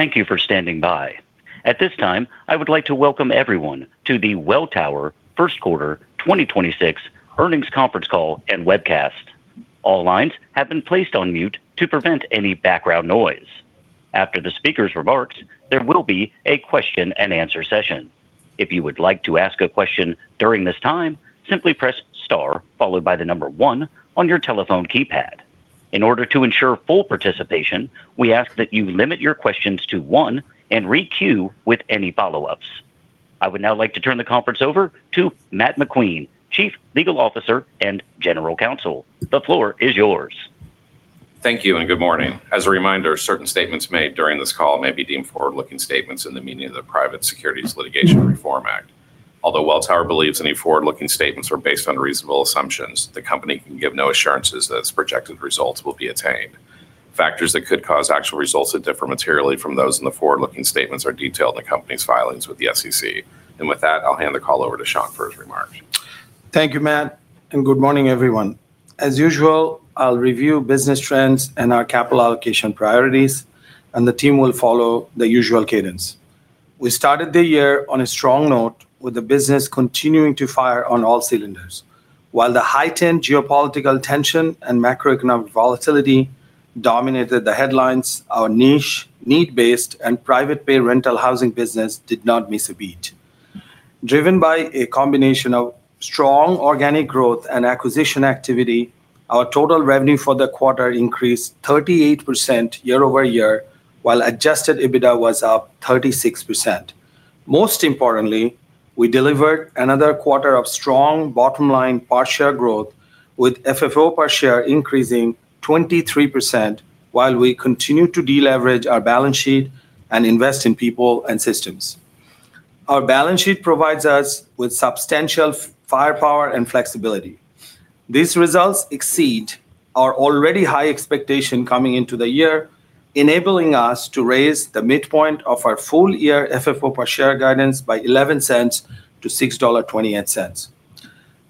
Thank you for standing by. At this time, I would like to welcome everyone to the Welltower first quarter 2026 earnings conference call and webcast. All lines have been placed on mute to prevent any background noise. After the speakers remarks their will be a question and answer session. If you would like to ask a question during this time simply press star followed by the number one on your telephone keypad. In order to ensure full participation, we as to limit your question to one and requeue if you have follow up. I would now like to turn the conference over to Matt McQueen, Chief Legal Officer and General Counsel. The floor is yours. Thank you and good morning. As a reminder, certain statements made during this call may be deemed forward-looking statements in the meaning of the Private Securities Litigation Reform Act. Although Welltower believes any forward-looking statements are based on reasonable assumptions, the company can give no assurances that its projected results will be attained. Factors that could cause actual results to differ materially from those in the forward-looking statements are detailed in the company's filings with the SEC. With that, I'll hand the call over to Shankh Mitra for his remarks. Thank you, Matt, and good morning, everyone. As usual, I'll review business trends and our capital allocation priorities, and the team will follow the usual cadence. We started the year on a strong note with the business continuing to fire on all cylinders. While the heightened geopolitical tension and macroeconomic volatility dominated the headlines, our niche, need-based, and private pay rental housing business did not miss a beat. Driven by a combination of strong organic growth and acquisition activity, our total revenue for the quarter increased 38% year-over-year, while adjusted EBITDA was up 36%. Most importantly, we delivered another quarter of strong bottom-line per share growth with FFO per share increasing 23% while we continue to deleverage our balance sheet and invest in people and systems. Our balance sheet provides us with substantial firepower and flexibility. These results exceed our already high expectation coming into the year, enabling us to raise the midpoint of our full-year FFO per share guidance by $0.11-$6.28.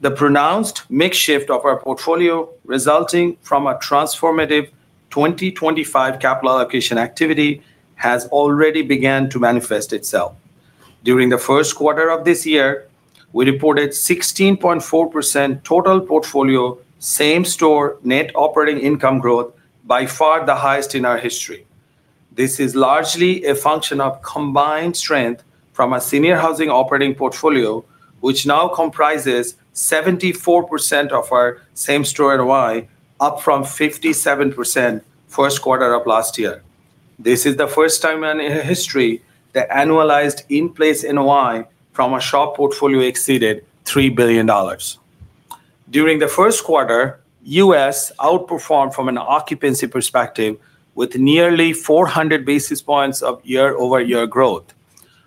The pronounced mix shift of our portfolio resulting from a transformative 2025 capital allocation activity has already began to manifest itself. During the first quarter of this year, we reported 16.4% total portfolio same store net operating income growth, by far the highest in our history. This is largely a function of combined strength from our Seniors Housing Operating portfolio, which now comprises 74% of our same-store NOI, up from 57% first quarter of last year. This is the first time in history the annualized in-place NOI from our SHOP portfolio exceeded $3 billion. During the first quarter, U.S. outperformed from an occupancy perspective with nearly 400 basis points of year-over-year growth.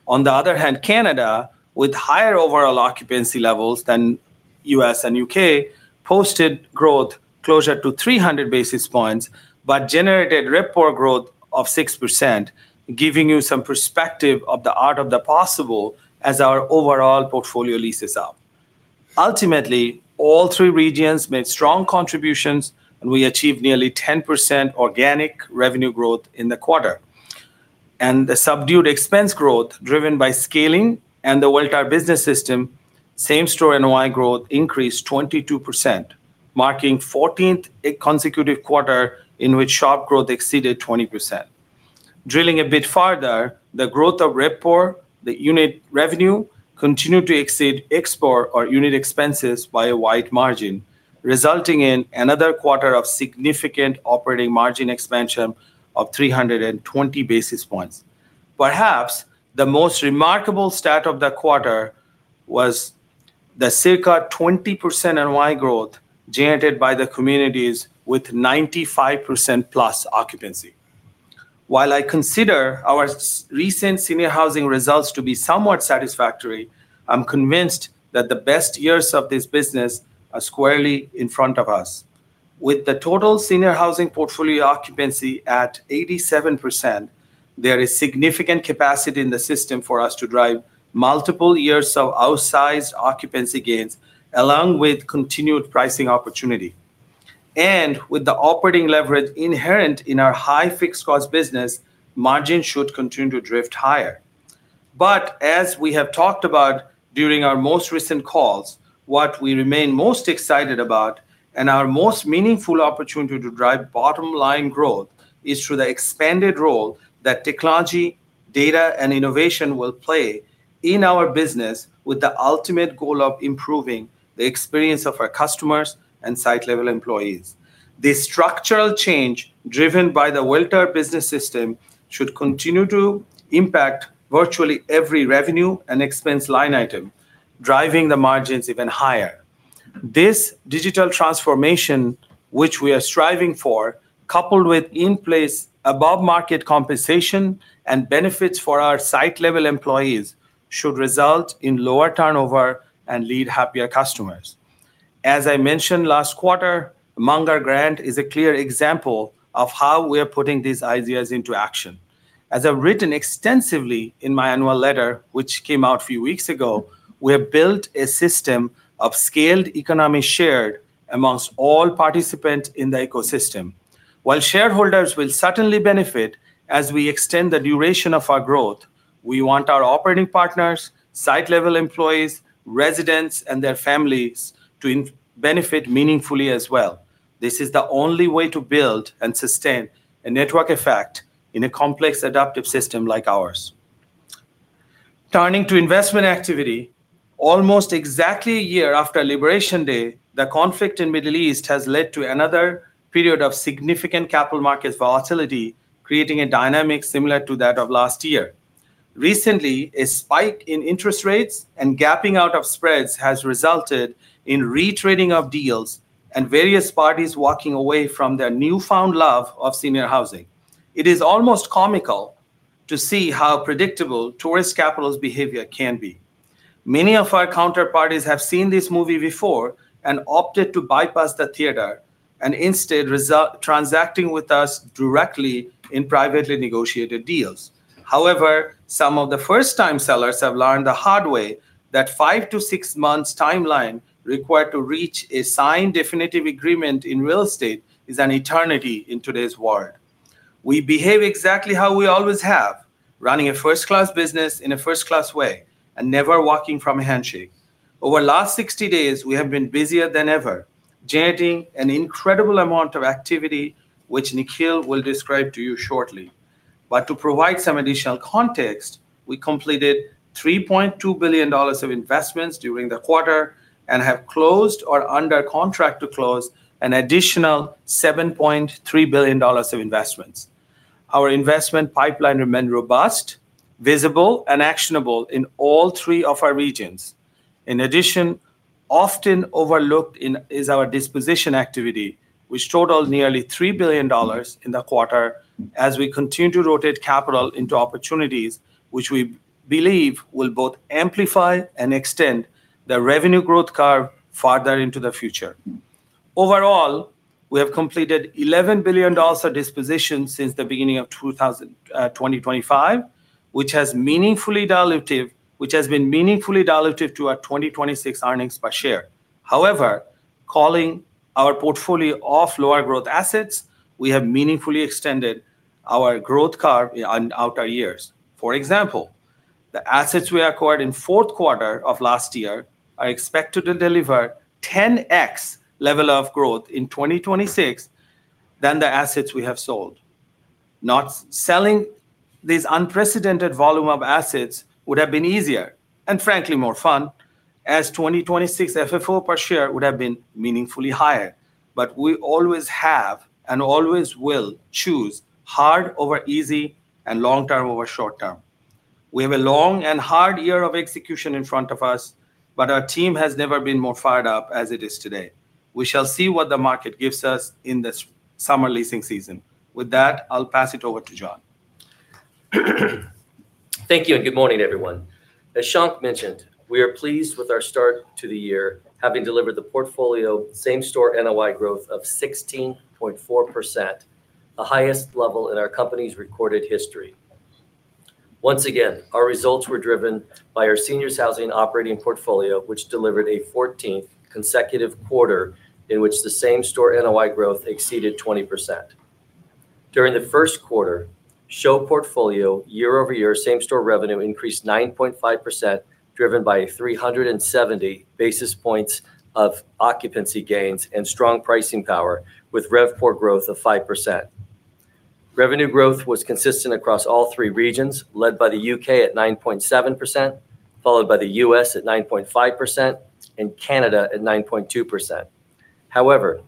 On the other hand, Canada, with higher overall occupancy levels than U.S. and U.K., posted growth closer to 300 basis points but generated report growth of 6%, giving you some perspective of the art of the possible as our overall portfolio leases up. Ultimately, all three regions made strong contributions, and we achieved nearly 10% organic revenue growth in the quarter. The subdued expense growth driven by scaling and the Welltower Business System same store NOI growth increased 22%, marking 14th consecutive quarter in which SHOP growth exceeded 20%. Drilling a bit farther, the growth of RevPOR, the unit revenue continued to exceed ExPOR or unit expenses by a wide margin, resulting in another quarter of significant operating margin expansion of 320 basis points. Perhaps the most remarkable stat of the quarter was the circa 20% NOI growth generated by the communities with 95%+ occupancy. While I consider our recent seniors housing results to be somewhat satisfactory, I'm convinced that the best years of this business are squarely in front of us. With the total seniors housing portfolio occupancy at 87%, there is significant capacity in the system for us to drive multiple years of outsized occupancy gains along with continued pricing opportunity. With the operating leverage inherent in our high fixed cost business, margins should continue to drift higher. As we have talked about during our most recent calls, what we remain most excited about and our most meaningful opportunity to drive bottom line growth is through the expanded role that technology, data, and innovation will play in our business with the ultimate goal of improving the experience of our customers and site level employees. The structural change driven by the Welltower Business System should continue to impact virtually every revenue and expense line item, driving the margins even higher. This digital transformation, which we are striving for, coupled with in place above market compensation and benefits for our site level employees, should result in lower turnover and lead happier customers. As I mentioned last quarter, Munger Grant is a clear example of how we are putting these ideas into action. As I've written extensively in my annual letter, which came out a few weeks ago, we have built a system of scaled economic shared among all participants in the ecosystem. While shareholders will certainly benefit as we extend the duration of our growth. We want our operating partners, site-level employees, residents, and their families to benefit meaningfully as well. This is the only way to build and sustain a network effect in a complex adaptive system like ours. Turning to investment activity, almost exactly a year after Liberation Day, the conflict in Middle East has led to another period of significant capital markets volatility, creating a dynamic similar to that of last year. Recently, a spike in interest rates and gapping out of spreads has resulted in retrading of deals and various parties walking away from their newfound love of seniors housing. It is almost comical to see how predictable tourist capital's behavior can be. Many of our counterparties have seen this movie before and opted to bypass the theater and instead transacting with us directly in privately negotiated deals. However, some of the first-time sellers have learned the hard way that five to six months timeline required to reach a signed definitive agreement in real estate is an eternity in today's world. We behave exactly how we always have, running a first-class business in a first-class way and never walking from a handshake. Over the last 60 days, we have been busier than ever, generating an incredible amount of activity which Nikhil will describe to you shortly. To provide some additional context, we completed $3.2 billion of investments during the quarter and have closed or are under contract to close an additional $7.3 billion of investments. Our investment pipeline remained robust, visible, and actionable in all three of our regions. In addition, often overlooked is our disposition activity, which totaled nearly $3 billion in the quarter as we continue to rotate capital into opportunities which we believe will both amplify and extend the revenue growth curve farther into the future. Overall, we have completed $11 billion of dispositions since the beginning of 2025, which has been meaningfully dilutive to our 2026 earnings per share. However, culling our portfolio of lower growth assets, we have meaningfully extended our growth curve on outer years. For example, the assets we acquired in fourth quarter of last year are expected to deliver 10x level of growth in 2026 than the assets we have sold. Not selling this unprecedented volume of assets would have been easier, and frankly more fun, as 2026 FFO per share would have been meaningfully higher. We always have, and always will, choose hard over easy and long term over short term. We have a long and hard year of execution in front of us, but our team has never been more fired up as it is today. We shall see what the market gives us in this summer leasing season. With that, I'll pass it over to John. Thank you, good morning, everyone. As Shankh mentioned, we are pleased with our start to the year, having delivered the portfolio same-store NOI growth of 16.4%, the highest level in our company's recorded history. Once again, our results were driven by our Seniors Housing Operating portfolio, which delivered a 14th consecutive quarter in which the same-store NOI growth exceeded 20%. During the first quarter, SHO portfolio year-over-year same-store revenue increased 9.5%, driven by 370 basis points of occupancy gains and strong pricing power, with RevPOR growth of 5%. Revenue growth was consistent across all three regions, led by the U.K. at 9.7%, followed by the U.S. at 9.5%, and Canada at 9.2%. However,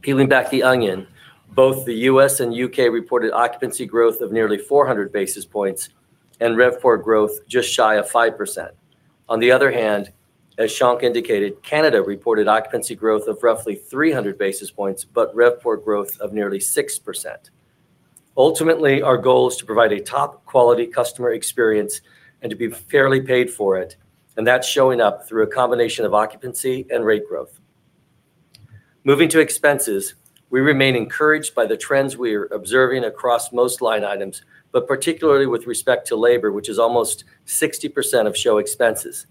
peeling back the onion, both the U.S. and U.K. reported occupancy growth of nearly 400 basis points and RevPOR growth just shy of 5%. On the other hand, as Shankh indicated, Canada reported occupancy growth of roughly 300 basis points, but RevPOR growth of nearly 6%. Ultimately, our goal is to provide a top-quality customer experience and to be fairly paid for it, and that's showing up through a combination of occupancy and rate growth. Moving to expenses, we remain encouraged by the trends we are observing across most line items, but particularly with respect to labor, which is almost 60% of SHO expenses.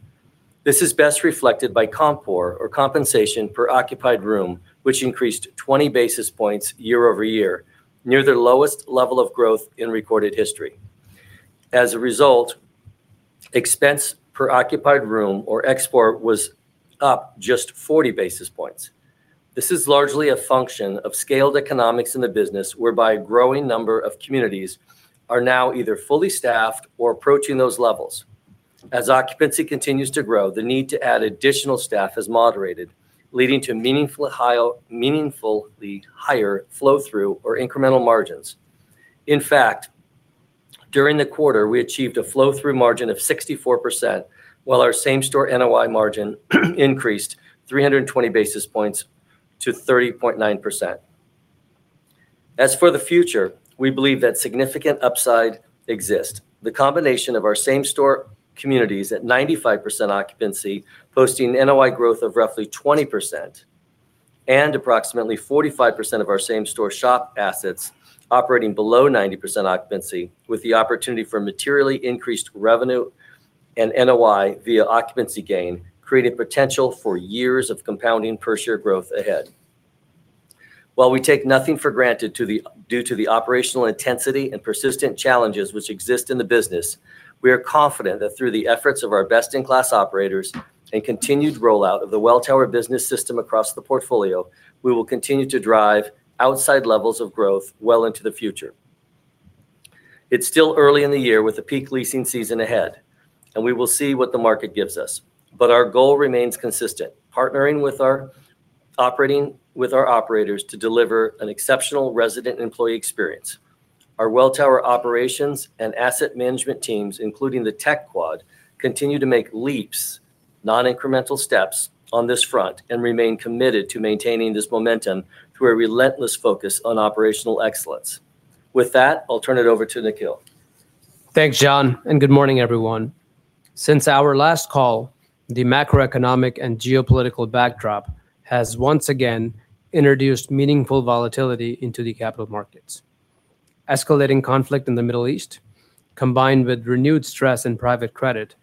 This is best reflected by CompOR, or compensation per occupied room, which increased 20 basis points year-over-year, near the lowest level of growth in recorded history. As a result, expense per occupied room, or ExPOR, was up just 40 basis points. This is largely a function of scaled economics in the business whereby a growing number of communities are now either fully staffed or approaching those levels. As occupancy continues to grow, the need to add additional staff has moderated, leading to meaningfully higher flow-through or incremental margins. In fact, during the quarter, we achieved a flow-through margin of 64%, while our same-store NOI margin increased 320 basis points to 30.9%. As for the future, we believe that significant upside exists. The combination of our same-store communities at 95% occupancy posting NOI growth of roughly 20% and approximately 45% of our same-store SHOP assets operating below 90% occupancy with the opportunity for materially increased revenue and NOI via occupancy gain create a potential for years of compounding per share growth ahead. While we take nothing for granted due to the operational intensity and persistent challenges which exist in the business, we are confident that through the efforts of our best-in-class operators and continued rollout of the Welltower Business System across the portfolio, we will continue to drive outsize levels of growth well into the future. It's still early in the year with the peak leasing season ahead. We will see what the market gives us. Our goal remains consistent, operating with our operators to deliver an exceptional resident employee experience. Our Welltower operations and asset management teams, including the Tech Quad, continue to make leaps, non-incremental steps on this front, and remain committed to maintaining this momentum through a relentless focus on operational excellence. With that, I'll turn it over to Nikhil. Thanks, John, and good morning, everyone. Since our last call, the macroeconomic and geopolitical backdrop has once again introduced meaningful volatility into the capital markets. Escalating conflict in the Middle East, combined with renewed stress in private credit,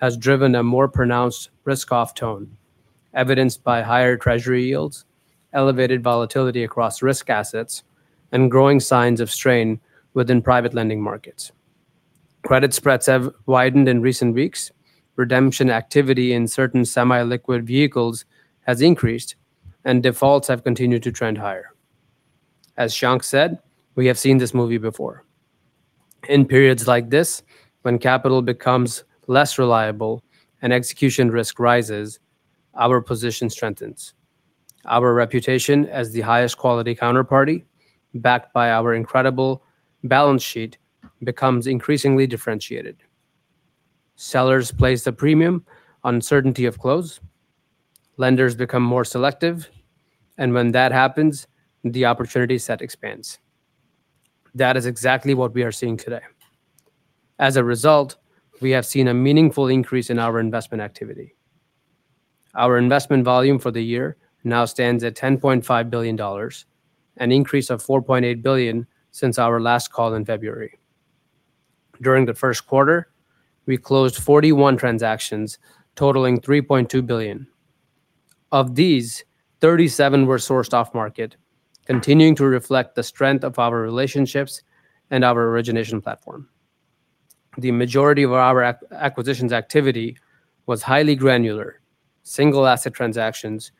has driven a more pronounced risk-off tone, evidenced by higher Treasury yields, elevated volatility across risk assets, and growing signs of strain within private lending markets. Credit spreads have widened in recent weeks. Redemption activity in certain semi-liquid vehicles has increased, and defaults have continued to trend higher. As Shankh said, we have seen this movie before. In periods like this, when capital becomes less reliable and execution risk rises, our position strengthens. Our reputation as the highest quality counterparty, backed by our incredible balance sheet, becomes increasingly differentiated. Sellers place a premium on certainty of close. Lenders become more selective. When that happens, the opportunity set expands. That is exactly what we are seeing today. As a result, we have seen a meaningful increase in our investment activity. Our investment volume for the year now stands at $10.5 billion, an increase of $4.8 billion since our last call in February. During the first quarter, we closed 41 transactions totaling $3.2 billion. Of these, 37 were sourced off-market, continuing to reflect the strength of our relationships and our origination platform. The majority of our acquisitions activity was highly granular, single-asset transactions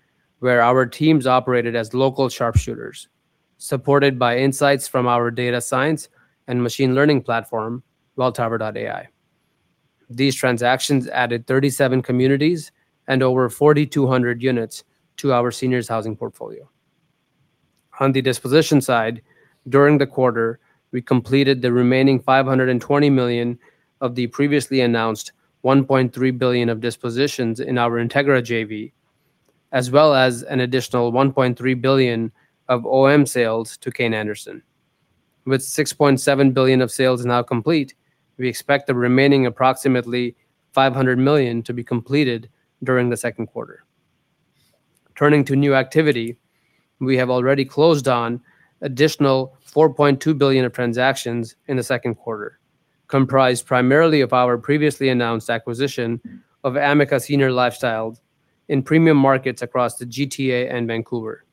where our teams operated as local sharpshooters, supported by insights from our data science and machine learning platform, Welltower.ai. These transactions added 37 communities and over 4,200 units to our seniors housing portfolio. On the disposition side, during the quarter, we completed the remaining $520 million of the previously announced $1.3 billion of dispositions in our Integra JV, as well as an additional $1.3 billion of OM sales to Kayne Anderson. With $6.7 billion of sales now complete, we expect the remaining approximately $500 million to be completed during the second quarter. Turning to new activity, we have already closed on additional $4.2 billion of transactions in the second quarter, comprised primarily of our previously announced acquisition of Amica Senior Lifestyles in premium markets across the GTA and Vancouver.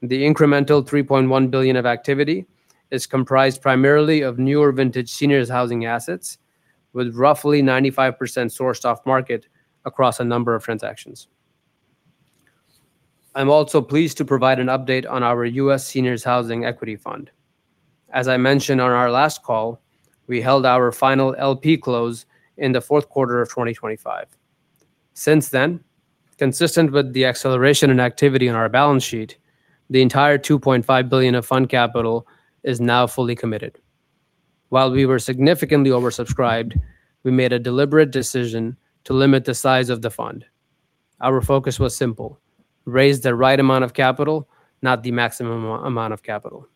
The incremental $3.1 billion of activity is comprised primarily of newer vintage seniors housing assets, with roughly 95% sourced off market across a number of transactions. I'm also pleased to provide an update on our U.S. Seniors Housing Equity Fund. As I mentioned on our last call, we held our final LP close in the fourth quarter of 2025. Since then, consistent with the acceleration in activity on our balance sheet, the entire $2.5 billion of fund capital is now fully committed. While we were significantly oversubscribed, we made a deliberate decision to limit the size of the fund. Our focus was simple: raise the right amount of capital, not the maximum amount of capital.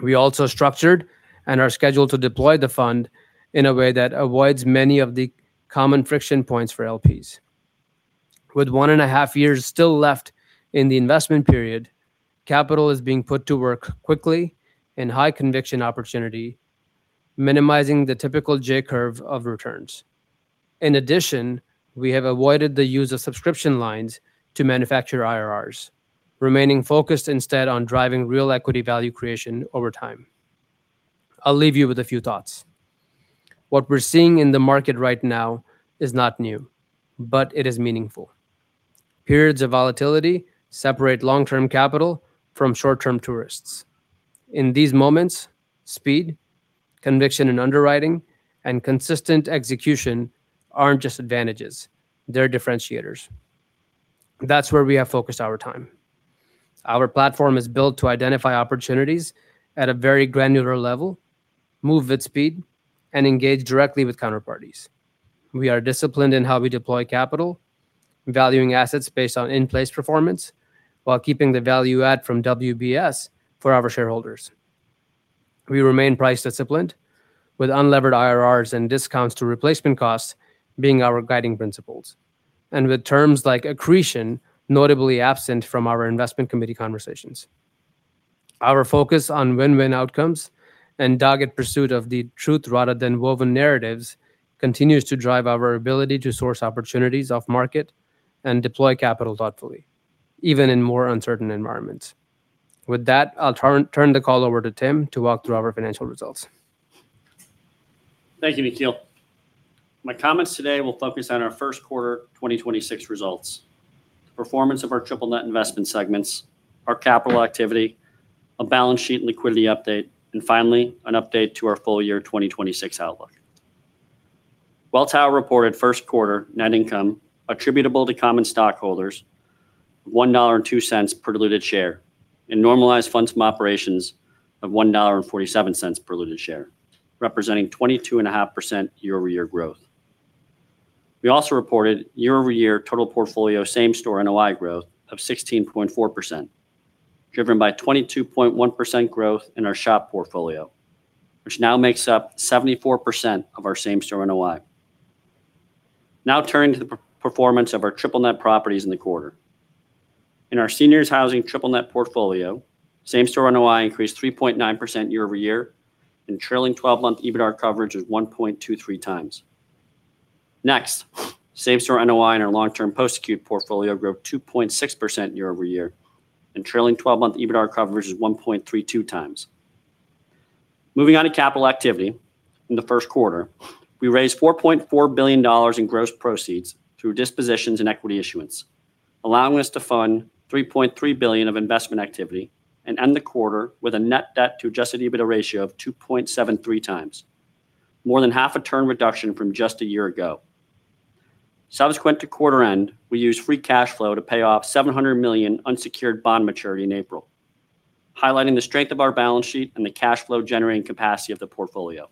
We also structured and are scheduled to deploy the fund in a way that avoids many of the common friction points for LPs. With 1.5 years still left in the investment period, capital is being put to work quickly in high conviction opportunity, minimizing the typical J-curve of returns. In addition, we have avoided the use of subscription lines to manufacture IRRs, remaining focused instead on driving real equity value creation over time. I'll leave you with a few thoughts. What we're seeing in the market right now is not new, but it is meaningful. Periods of volatility separate long-term capital from short-term tourists. In these moments, speed, conviction in underwriting, and consistent execution aren't just advantages, they're differentiators. That's where we have focused our time. Our platform is built to identify opportunities at a very granular level, move with speed, and engage directly with counterparties. We are disciplined in how we deploy capital, valuing assets based on in-place performance, while keeping the value add from WBS for our shareholders. We remain price disciplined, with unlevered IRRs and discounts to replacement costs being our guiding principles, and with terms like accretion notably absent from our investment committee conversations. Our focus on win-win outcomes and dogged pursuit of the truth rather than woven narratives continues to drive our ability to source opportunities off market and deploy capital thoughtfully, even in more uncertain environments. With that, I'll turn the call over to Tim to walk through our financial results. Thank you, Nikhil. My comments today will focus on our first quarter 2026 results, performance of our triple net investment segments, our capital activity, a balance sheet liquidity update, and finally, an update to our full year 2026 outlook. Welltower reported first quarter net income attributable to common stockholders of $1.02 per diluted share and normalized funds from operations of $1.47 per diluted share, representing 22.5% year-over-year growth. We also reported year-over-year total portfolio same store NOI growth of 16.4%, driven by 22.1% growth in our SHOP portfolio, which now makes up 74% of our same store NOI. Turning to the performance of our triple net properties in the quarter. In our seniors housing triple-net portfolio, same-store NOI increased 3.9% year-over-year, and trailing 12-month EBITDAR coverage is 1.23x. Next, same-store NOI in our long-term post-acute portfolio grew 2.6% year-over-year, and trailing 12-month EBITDAR coverage is 1.3x. Moving on to capital activity. In the first quarter, we raised $4.4 billion in gross proceeds through dispositions and equity issuance, allowing us to fund $3.3 billion of investment activity and end the quarter with a net debt to adjusted EBITDA ratio of 2.73x. More than half a turn reduction from just a year ago. Subsequent to quarter end, we used free cash flow to pay off $700 million unsecured bond maturity in April, highlighting the strength of our balance sheet and the cash flow generating capacity of the portfolio.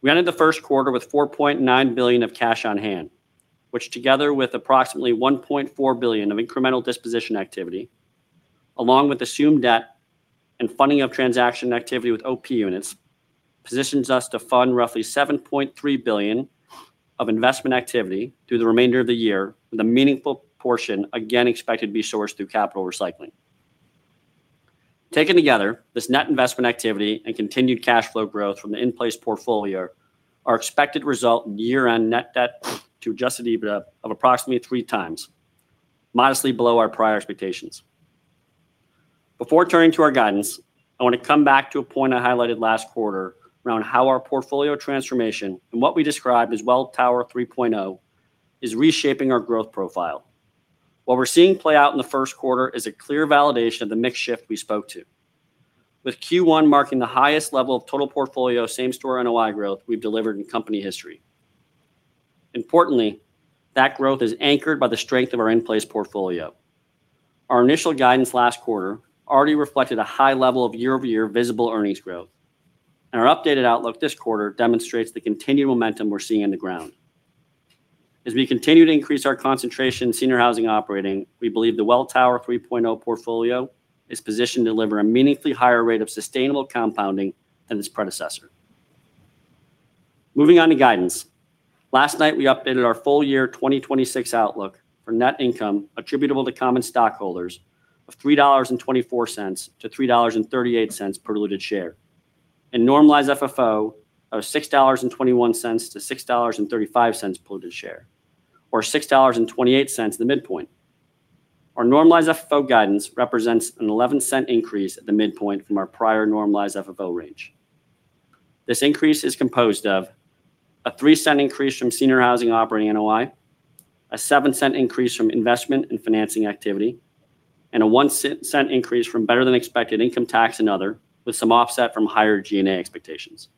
We ended the first quarter with $4.9 billion of cash on hand, which together with approximately $1.4 billion of incremental disposition activity, along with assumed debt and funding of transaction activity with OP units, positions us to fund roughly $7.3 billion of investment activity through the remainder of the year, with a meaningful portion again expected to be sourced through capital recycling. Taken together, this net investment activity and continued cash flow growth from the in-place portfolio are expected result in year-end net debt to adjusted EBITDA of approximately 3x, modestly below our prior expectations. Before turning to our guidance, I want to come back to a point I highlighted last quarter around how our portfolio transformation, and what we describe as Welltower 3.0, is reshaping our growth profile. What we're seeing play out in the first quarter is a clear validation of the mix shift we spoke to. With Q1 marking the highest level of total portfolio same store NOI growth we've delivered in company history. Importantly, that growth is anchored by the strength of our in-place portfolio. Our initial guidance last quarter already reflected a high level of year-over-year visible earnings growth. Our updated outlook this quarter demonstrates the continued momentum we're seeing on the ground. As we continue to increase our concentration in seniors housing operating, we believe the Welltower 3.0 portfolio is positioned to deliver a meaningfully higher rate of sustainable compounding than its predecessor. Moving on to guidance. Last night, we updated our full year 2026 outlook for net income attributable to common stockholders of $3.24-$3.38 per diluted share, and normalized FFO of $6.21-$6.35 per diluted share, or $6.28 at the midpoint. Our normalized FFO guidance represents an $0.11 increase at the midpoint from our prior normalized FFO range. This increase is composed of a $0.03 increase from senior housing operating NOI, a $0.07 increase from investment and financing activity, and a $0.01 increase from better than expected income tax and other, with some offset from higher G&A expectations.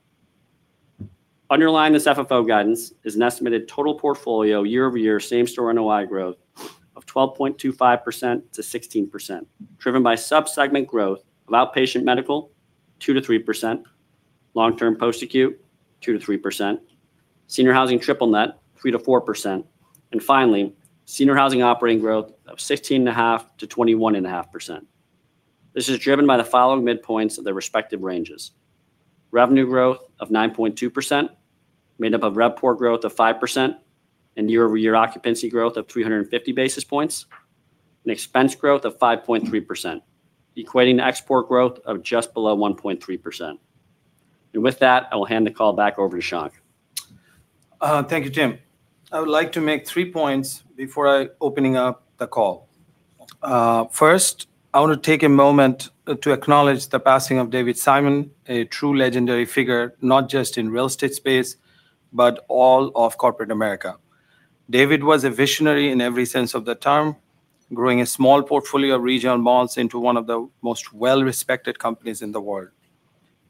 Underlying this FFO guidance is an estimated total portfolio year-over-year same store NOI growth of 12.25%-16%, driven by sub-segment growth of outpatient medical 2%-3%, long-term post-acute 2%-3%, senior housing triple net 3%-4%, and finally, senior housing operating growth of 16.5%-21.5%. This is driven by the following midpoints of their respective ranges. Revenue growth of 9.2%, made up of RevPOR growth of 5% and year-over-year occupancy growth of 350 basis points, and expense growth of 5.3%, equating to ExPOR growth of just below 1.3%. With that, I will hand the call back over to Shankh. Thank you, Tim. I would like to make three points before opening up the call. First, I want to take a moment to acknowledge the passing of David Simon, a true legendary figure, not just in real estate space, but all of corporate America. David was a visionary in every sense of the term, growing a small portfolio of regional malls into one of the most well-respected companies in the world.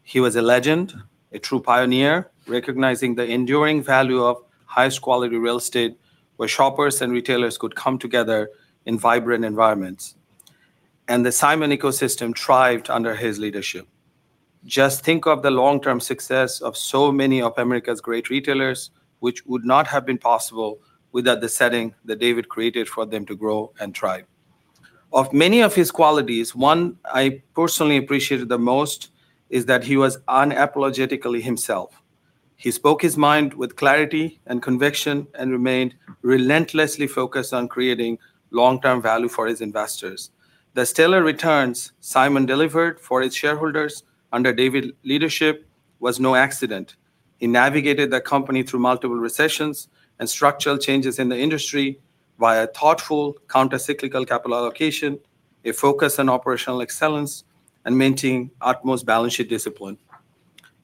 He was a legend, a true pioneer, recognizing the enduring value of highest quality real estate where shoppers and retailers could come together in vibrant environments. The Simon ecosystem thrived under his leadership. Just think of the long-term success of so many of America's great retailers, which would not have been possible without the setting that David created for them to grow and thrive. Of many of his qualities, one I personally appreciated the most is that he was unapologetically himself. He spoke his mind with clarity and conviction and remained relentlessly focused on creating long-term value for his investors. The stellar returns Simon delivered for its shareholders under David leadership was no accident. He navigated the company through multiple recessions and structural changes in the industry via thoughtful countercyclical capital allocation, a focus on operational excellence, and maintaining utmost balance sheet discipline.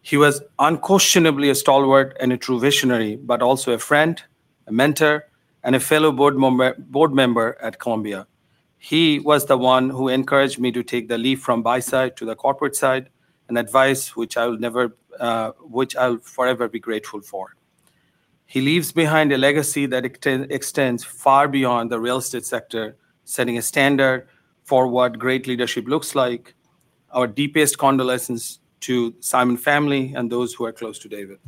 He was unquestionably a stalwart and a true visionary, but also a friend, a mentor, and a fellow board member at Columbia. He was the one who encouraged me to take the leap from buy side to the corporate side, an advice which I'll forever be grateful for. He leaves behind a legacy that extends far beyond the real estate sector, setting a standard for what great leadership looks like. Our deepest condolences to Simon family and those who are close to David.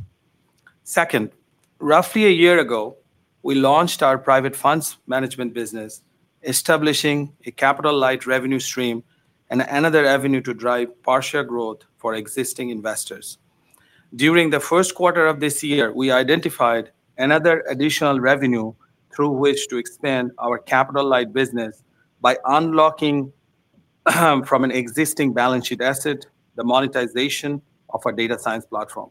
Second, roughly a year ago, we launched our private funds management business, establishing a capital-light revenue stream and another avenue to drive partial growth for existing investors. During the first quarter of this year, we identified another additional revenue through which to expand our capital-light business by unlocking from an existing balance sheet asset the monetization of our data science platform.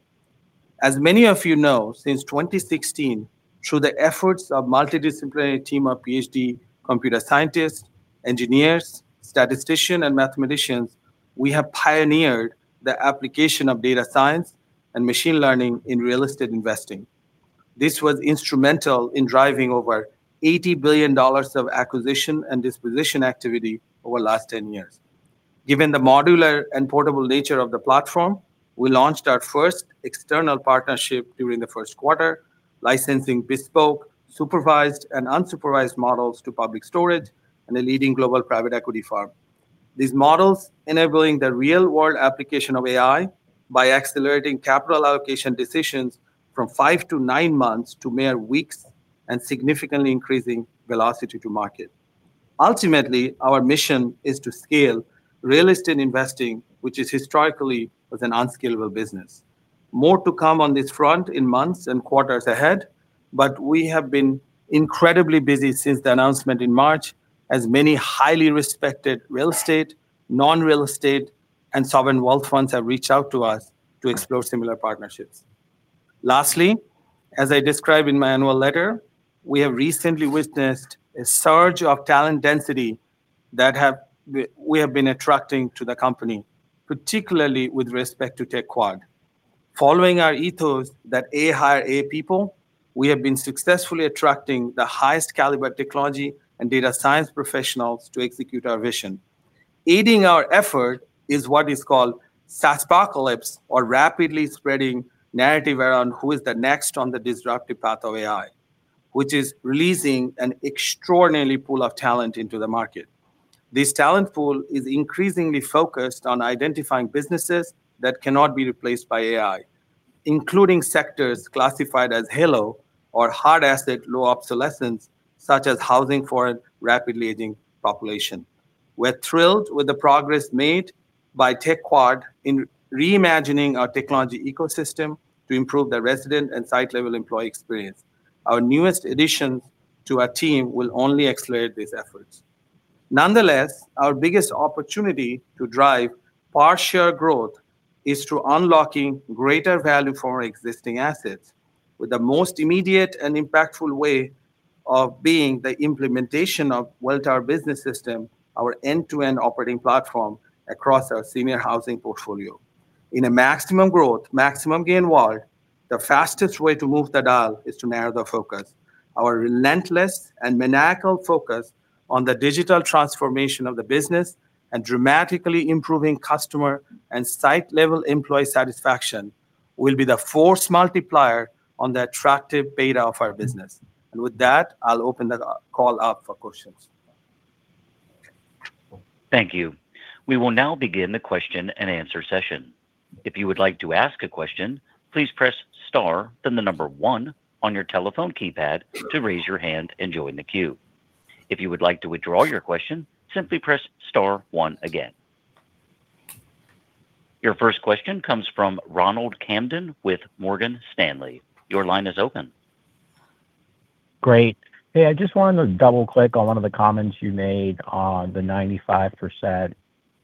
As many of you know, since 2016, through the efforts of multidisciplinary team of PhD computer scientists, engineers, statisticians, and mathematicians, we have pioneered the application of data science and machine learning in real estate investing. This was instrumental in driving over $80 billion of acquisition and disposition activity over the last 10 years. Given the modular and portable nature of the platform, we launched our first external partnership during the first quarter, licensing bespoke, supervised and unsupervised models to Public Storage and a leading global private equity firm. These models enabling the real-world application of AI by accelerating capital allocation decisions from five to nine months to mere weeks and significantly increasing velocity to market. Our mission is to scale real estate investing, which is historically as an unscalable business. More to come on this front in months and quarters ahead, we have been incredibly busy since the announcement in March, as many highly respected real estate, non-real estate, and sovereign wealth funds have reached out to us to explore similar partnerships. Lastly, as I described in my annual letter, we have recently witnessed a surge of talent density that we have been attracting to the company, particularly with respect to Tech Quad. Following our ethos that A hire A people, we have been successfully attracting the highest caliber technology and data science professionals to execute our vision. Aiding our effort is what is called SaaSpocalypse, or rapidly spreading narrative around who is the next on the disruptive path of AI, which is releasing an extraordinary pool of talent into the market. This talent pool is increasingly focused on identifying businesses that cannot be replaced by AI, including sectors classified as HALO, or hard asset low obsolescence, such as housing for a rapidly aging population. We're thrilled with the progress made by Tech Quad in reimagining our technology ecosystem to improve the resident and site level employee experience. Our newest additions to our team will only accelerate these efforts. Nonetheless, our biggest opportunity to drive portfolio growth is through unlocking greater value for our existing assets, with the most immediate and impactful way of being the implementation of Welltower Business System, our end-to-end operating platform across our senior housing portfolio. In a maximum growth, maximum gain world, the fastest way to move the dial is to narrow the focus. Our relentless and maniacal focus on the digital transformation of the business and dramatically improving customer and site level employee satisfaction will be the force multiplier on the attractive beta of our business. With that, I'll open the call up for questions. Thank you. We will now begin the question and answer session. If you would like to ask a question, please press star, then the number one on your telephone keypad to raise your hand and join the queue. If you would like to withdraw your question, simply press star one again. Your first question comes from Ronald Kamdem with Morgan Stanley. Your line is open. Great. Hey, I just wanted to double-click on one of the comments you made on the 95%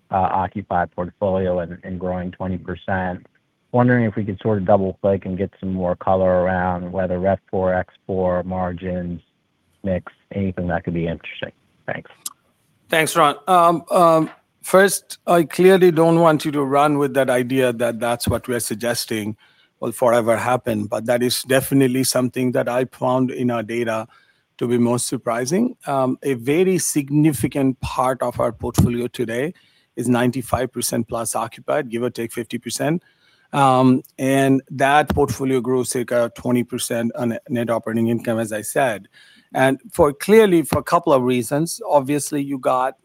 occupied portfolio and growing 20%. Wondering if we could sort of double-click and get some more color around whether RevPOR, ExPOR, margins, mix, anything that could be interesting. Thanks. Thanks, Ron. first, I clearly don't want you to run with that idea that that's what we're suggesting will forever happen. But that is definitely something that I found in our data to be most surprising. A very significant part of our portfolio today is 95%+ occupied, give or take 50%. That portfolio grew circa 20% on a net operating income, as I said. Clearly for a couple of reasons, obviously, you got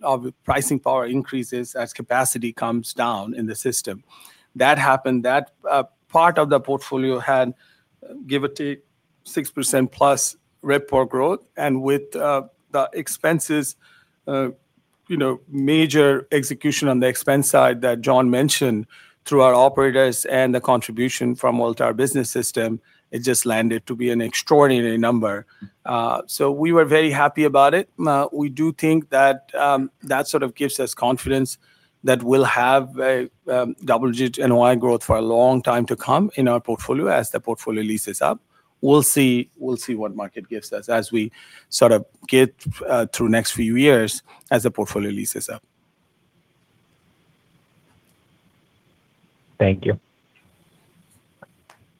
pricing power increases as capacity comes down in the system. That happened. That part of the portfolio had, give or take, 6% plus RevPOR growth. With the expenses, You know, major execution on the expense side that John mentioned through our operators and the contribution from Welltower Business System, it just landed to be an extraordinary number. We were very happy about it. We do think that that sort of gives us confidence that we'll have a double-digit NOI growth for a long time to come in our portfolio as the portfolio leases up. We'll see, we'll see what market gives us as we sort of get through next few years as the portfolio leases up. Thank you.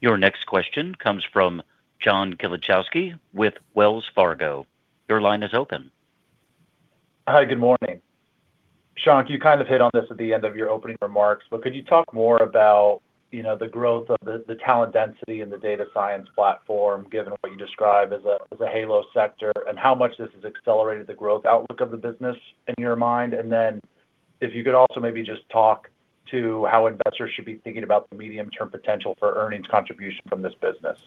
Your next question comes from John Kilichowski with Wells Fargo. Your line is open. Hi, good morning. Shankh, you kind of hit on this at the end of your opening remarks, could you talk more about, you know, the talent density in the data science platform, given what you describe as a HALO sector, and how much this has accelerated the growth outlook of the business in your mind? If you could also maybe just talk to how investors should be thinking about the medium-term potential for earnings contribution from this business.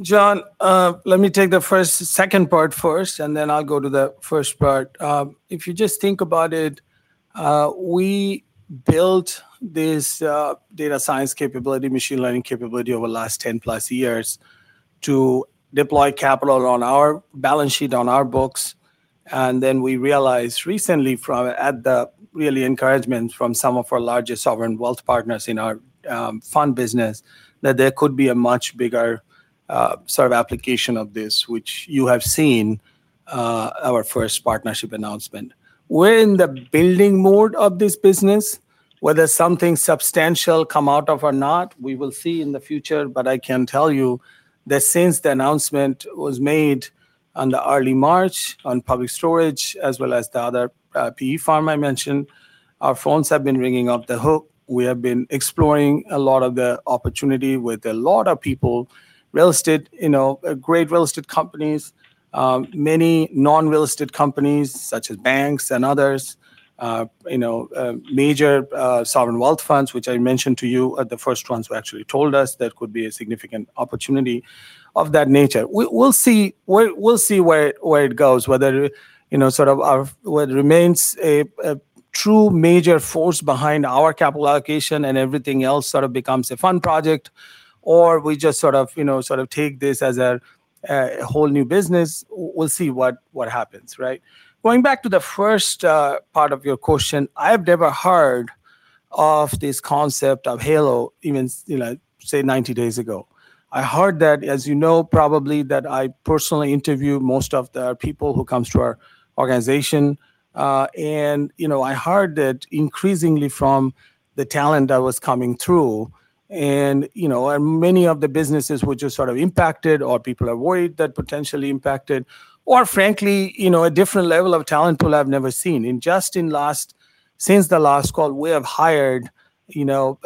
John, let me take the second part first, and then I'll go to the first part. If you just think about it, we built this data science capability, machine learning capability over the last 10+ years to deploy capital on our balance sheet, on our books. We realized recently at the really encouragement from some of our largest sovereign wealth partners in our fund business that there could be a much bigger, sort of application of this, which you have seen, our first partnership announcement. We're in the building mode of this business. Whether something substantial come out of or not, we will see in the future. I can tell you that since the announcement was made on the early March on Public Storage, as well as the other PE firm I mentioned, our phones have been ringing off the hook. We have been exploring a lot of the opportunity with a lot of people. Real estate, you know, great real estate companies, many non-real estate companies such as banks and others, you know, major sovereign wealth funds, which I mentioned to you are the first ones who actually told us there could be a significant opportunity of that nature. We'll see, we'll see where it goes, whether, you know, whether it remains a true major force behind our capital allocation and everything else sort of becomes a fun project, or we just sort of, you know, sort of take this as a whole new business. We'll see what happens, right? Going back to the first part of your question, I've never heard of this concept of HALO even, you know, say, 90 days ago. I heard that, as you know probably, that I personally interview most of the people who comes to our organization. You know, I heard that increasingly from the talent that was coming through. You know, and many of the businesses were just sort of impacted, or people are worried they're potentially impacted. Frankly, you know, a different level of talent pool I've never seen. In just since the last call, we have hired, you know,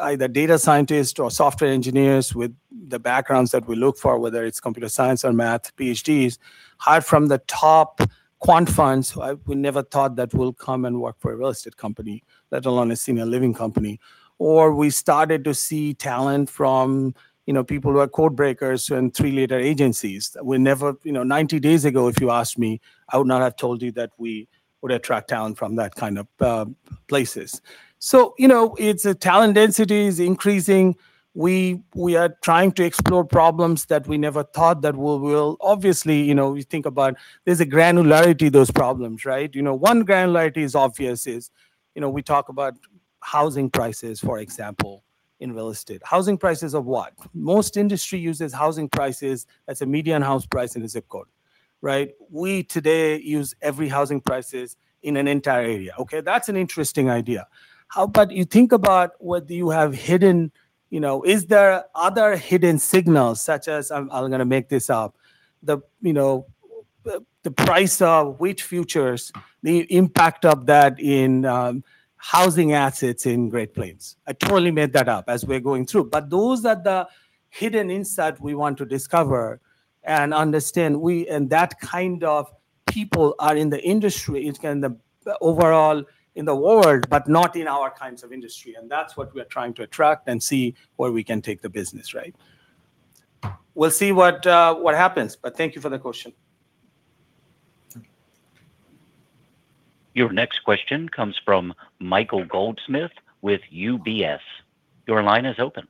either data scientists or software engineers with the backgrounds that we look for, whether it's computer science or math PhDs, hired from the top quant funds who we never thought that will come and work for a real estate company, let alone a senior living company. We started to see talent from, you know, people who are code breakers and three-letter agencies. You know, 90 days ago if you asked me, I would not have told you that we would attract talent from that kind of places. You know, it's a talent density is increasing. We are trying to explore problems that we never thought that we will obviously, you know, we think about there's a granularity to those problems, right? You know, one granularity is obvious is, you know, we talk about housing prices, for example, in real estate. Housing prices of what? Most industry uses housing prices as a median house price in a zip code, right? We today use every housing prices in an entire area. Okay, that's an interesting idea. You think about what do you have hidden, you know, is there other hidden signals such as, I'm gonna make this up, the, you know, the price of wheat futures, the impact of that in housing assets in Great Plains. I totally made that up as we're going through. Those are the hidden insight we want to discover and understand, and that kind of people are in the industry. Overall in the world, not in our kinds of industry. That's what we are trying to attract and see where we can take the business, right? We'll see what what happens, thank you for the question. Your next question comes from Michael Goldsmith with UBS. Your line is open.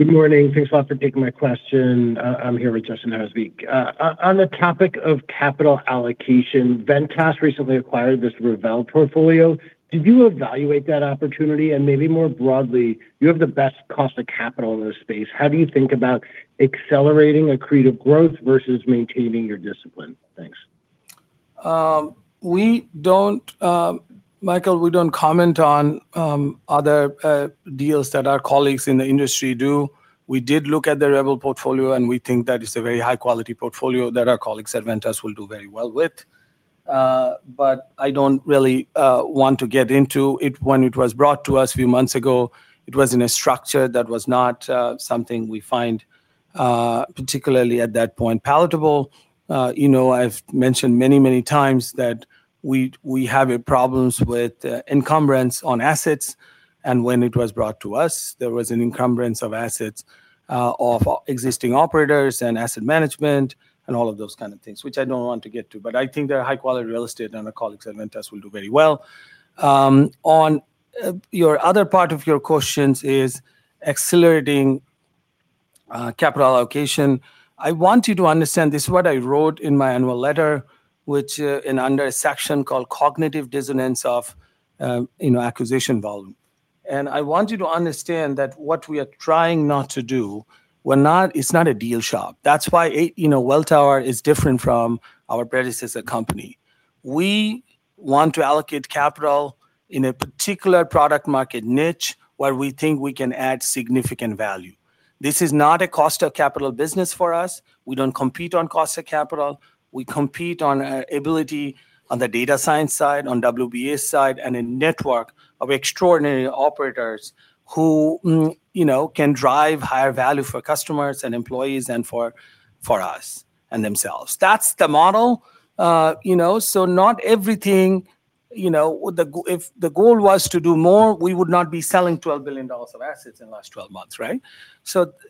Good morning. Thanks a lot for taking my question. I'm here with [Justin Zale]. On the topic of capital allocation, Ventas recently acquired this Revel portfolio. Did you evaluate that opportunity? Maybe more broadly, you have the best cost of capital in this space. How do you think about accelerating accretive growth versus maintaining your discipline? Thanks. We don't, Michael, we don't comment on other deals that our colleagues in the industry do. We did look at the Revel portfolio, and we think that it's a very high quality portfolio that our colleagues at Ventas will do very well with. I don't really want to get into it. When it was brought to us a few months ago, it was in a structure that was not something we find particularly at that point palatable. You know, I've mentioned many, many times that we have a problems with encumbrance on assets. When it was brought to us, there was an encumbrance of assets. Of existing operators and asset management and all of those kind of things, which I don't want to get to. I think they're high quality real estate and our colleagues at Ventas will do very well. On your other part of your questions is accelerating capital allocation. I want you to understand this is what I wrote in my annual letter, which in under a section called Cognitive Dissonance of Acquisition Volume. I want you to understand that what we are trying not to do, it's not a deal shop. That's why Welltower is different from our predecessor company. We want to allocate capital in a particular product market niche where we think we can add significant value. This is not a cost of capital business for us. We don't compete on cost of capital. We compete on ability on the data science side, on WBS side, and a network of extraordinary operators who, you know, can drive higher value for customers and employees and for us and themselves. That's the model. You know, not everything, you know, if the goal was to do more, we would not be selling $12 billion of assets in the last 12 months, right?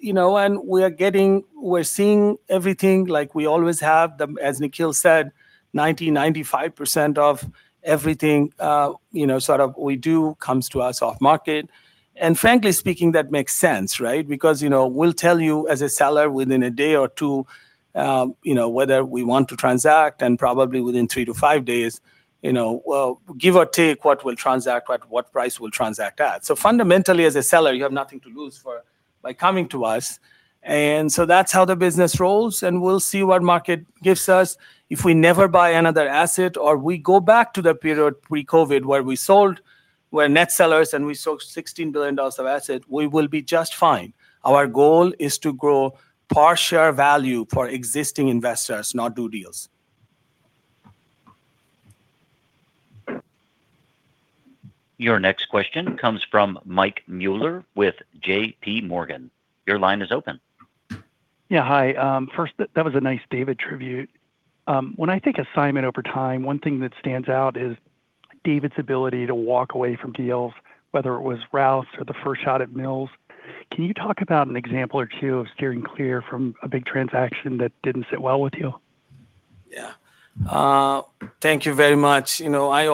You know, we're seeing everything like we always have. The, as Nikhil said, 90%, 95% of everything, you know, sort of we do comes to us off market. Frankly speaking, that makes sense, right? You know, we'll tell you as a seller within a day or two, you know, whether we want to transact and probably within three to five days, you know, well, give or take what we'll transact, at what price we'll transact at. Fundamentally, as a seller, you have nothing to lose by coming to us. That's how the business rolls, and we'll see what market gives us. If we never buy another asset or we go back to the period pre-COVID where we sold, we're net sellers and we sold $16 billion of asset, we will be just fine. Our goal is to grow per share value for existing investors, not do deals. Your next question comes from Michael Mueller with JPMorgan. Your line is open. Yeah, hi. First, that was a nice David tribute. When I think of Simon over time, one thing that stands out is David's ability to walk away from deals, whether it was Rouse or the first shot at Mills. Can you talk about an example or two of steering clear from a big transaction that didn't sit well with you? Yeah. Thank you very much. You know, I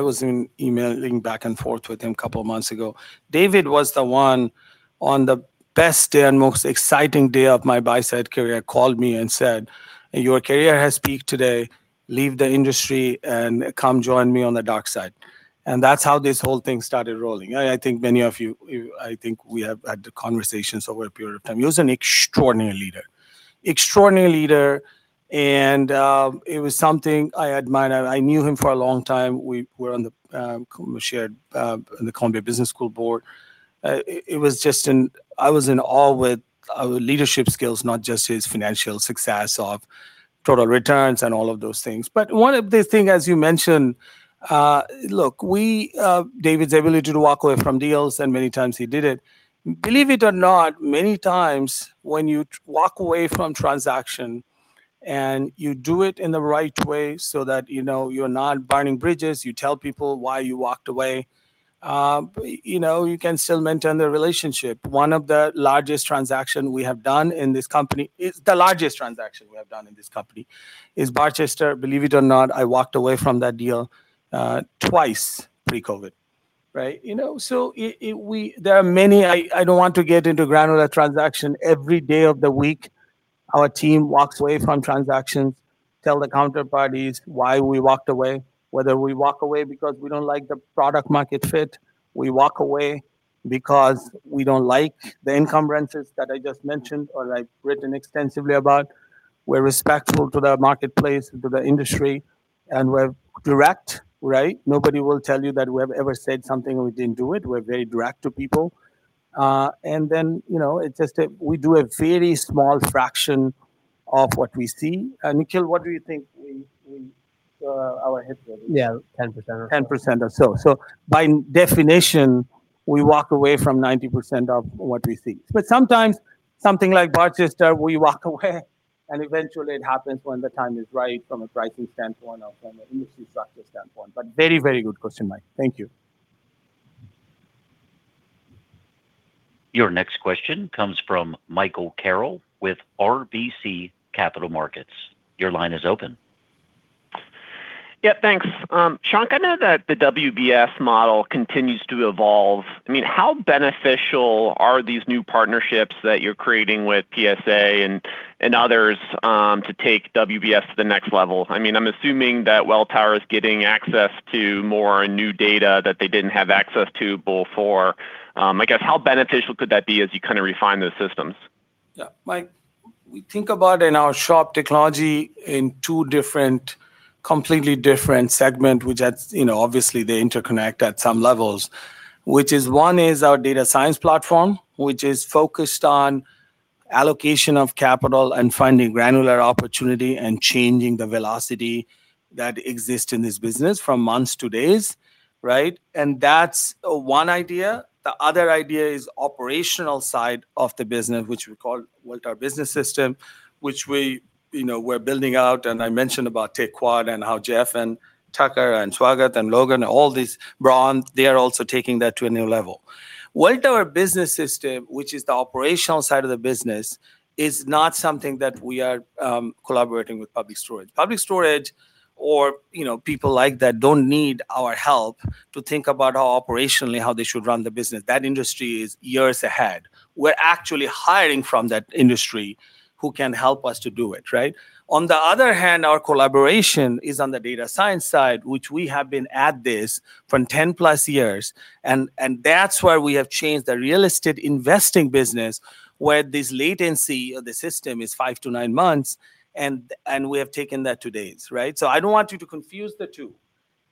was emailing back and forth with him a couple of months ago. David was the one on the best day and most exciting day of my buy side career, called me and said, "Your career has peaked today. Leave the industry and come join me on the dark side." That's how this whole thing started rolling. I think many of you I think we have had the conversations over a period of time. He was an extraordinary leader. Extraordinary leader and it was something I admired. I knew him for a long time. We were on the, we shared in the Columbia Business School board. I was in awe with our leadership skills, not just his financial success of total returns and all of those things. One of the thing, as you mentioned, look, we, David's ability to walk away from deals, and many times he did it. Believe it or not, many times when you walk away from transaction and you do it in the right way so that, you know, you're not burning bridges, you tell people why you walked away, you know, you can still maintain the relationship. The largest transaction we have done in this company is Barchester. Believe it or not, I walked away from that deal, twice pre-COVID, right? You know, I don't want to get into granular transaction. Every day of the week, our team walks away from transactions, tell the counterparties why we walked away, whether we walk away because we don't like the product market fit, we walk away because we don't like the income rents that I just mentioned or I've written extensively about. We're respectful to the marketplace, to the industry, and we're direct, right? Nobody will tell you that we have ever said something and we didn't do it. We're very direct to people. You know, it's just that we do a very small fraction of what we see. Nikhil, what do you think we our hit rate is? Yeah, 10% or so. 10% or so. By definition, we walk away from 90% of what we see. Sometimes something like Barchester, we walk away and eventually it happens when the time is right from a pricing standpoint or from an industry structure standpoint. Very, very good question, Mike. Thank you. Your next question comes from Michael Carroll with RBC Capital Markets. Your line is open. Yeah, thanks. Shankh, I know that the WBS model continues to evolve. I mean, how beneficial are these new partnerships that you're creating with PSA and others, to take WBS to the next level? I mean, I'm assuming that Welltower is getting access to more new data that they didn't have access to before. I guess how beneficial could that be as you kinda refine those systems? Yeah. Mike, we think about in our SHOP technology in two different, completely different segments, which, you know, obviously they interconnect at some levels. One is our data science platform, which is focused on allocation of capital and finding granular opportunity and changing the velocity that exists in this business from months to days, right? That's one idea. The other idea is the operational side of the business, which we call Welltower Business System, which, you know, we're building out. I mentioned about Tech Quad and how Jeff and Tucker and Swagat and Logan, all these, Ron, they are also taking that to a new level. Welltower Business System, which is the operational side of the business, is not something that we are collaborating with Public Storage. Public Storage or, you know, people like that don't need our help to think about how operationally how they should run the business. That industry is years ahead. We're actually hiring from that industry who can help us to do it, right? On the other hand, our collaboration is on the data science side, which we have been at this for 10+ years, and that's why we have changed the real estate investing business where this latency of the system is five to nine months and we have taken that to days, right? I don't want you to confuse the two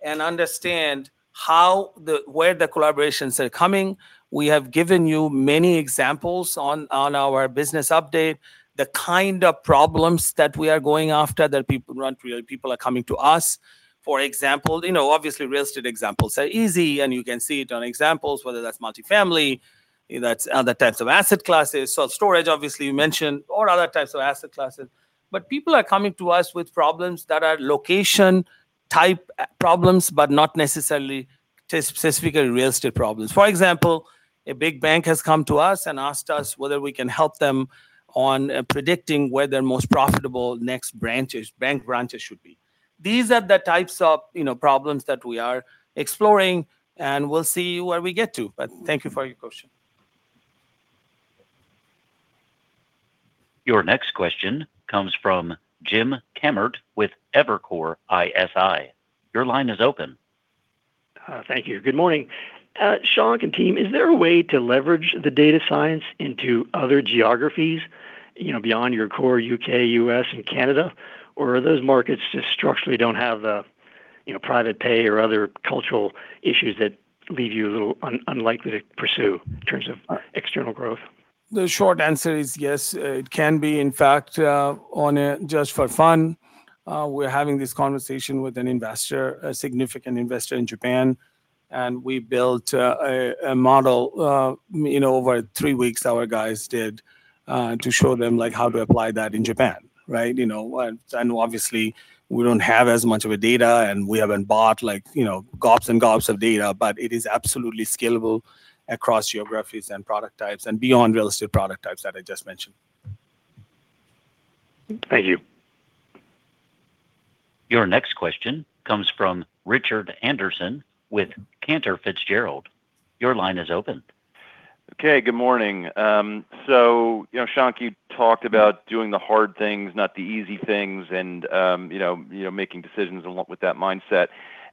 and understand how where the collaborations are coming. We have given you many examples on our business update, the kind of problems that we are going after that people are coming to us. For example, you know, obviously, real estate examples are easy, and you can see it on examples, whether that's multifamily, that's other types of asset classes. Storage, obviously, you mentioned, or other types of asset classes. People are coming to us with problems that are location-type problems, but not necessarily specific real estate problems. For example, a big bank has come to us and asked us whether we can help them on predicting where their most profitable next branches, bank branches should be. These are the types of, you know, problems that we are exploring, and we'll see where we get to. Thank you for your question. Your next question comes from James Kammert with Evercore ISI. Your line is open. Thank you. Good morning. Shankh and team, is there a way to leverage the data science into other geographies, you know, beyond your core U.K., U.S. and Canada? Or are those markets just structurally don't have the, you know, private pay or other cultural issues that leave you a little unlikely to pursue in terms of external growth? The short answer is yes, it can be. In fact, just for fun, we're having this conversation with an investor, a significant investor in Japan, and we built a, a model, you know, over three weeks our guys did, to show them, like, how to apply that in Japan, right? You know, I know obviously we don't have as much of a data and we haven't bought like, you know, gobs and gobs of data, but it is absolutely scalable across geographies and product types and beyond real estate product types that I just mentioned. Thank you. Your next question comes from Richard Anderson with Cantor Fitzgerald. Your line is open. Good morning. You know, Shankh, you talked about doing the hard things, not the easy things and, you know, making decisions along with that mindset.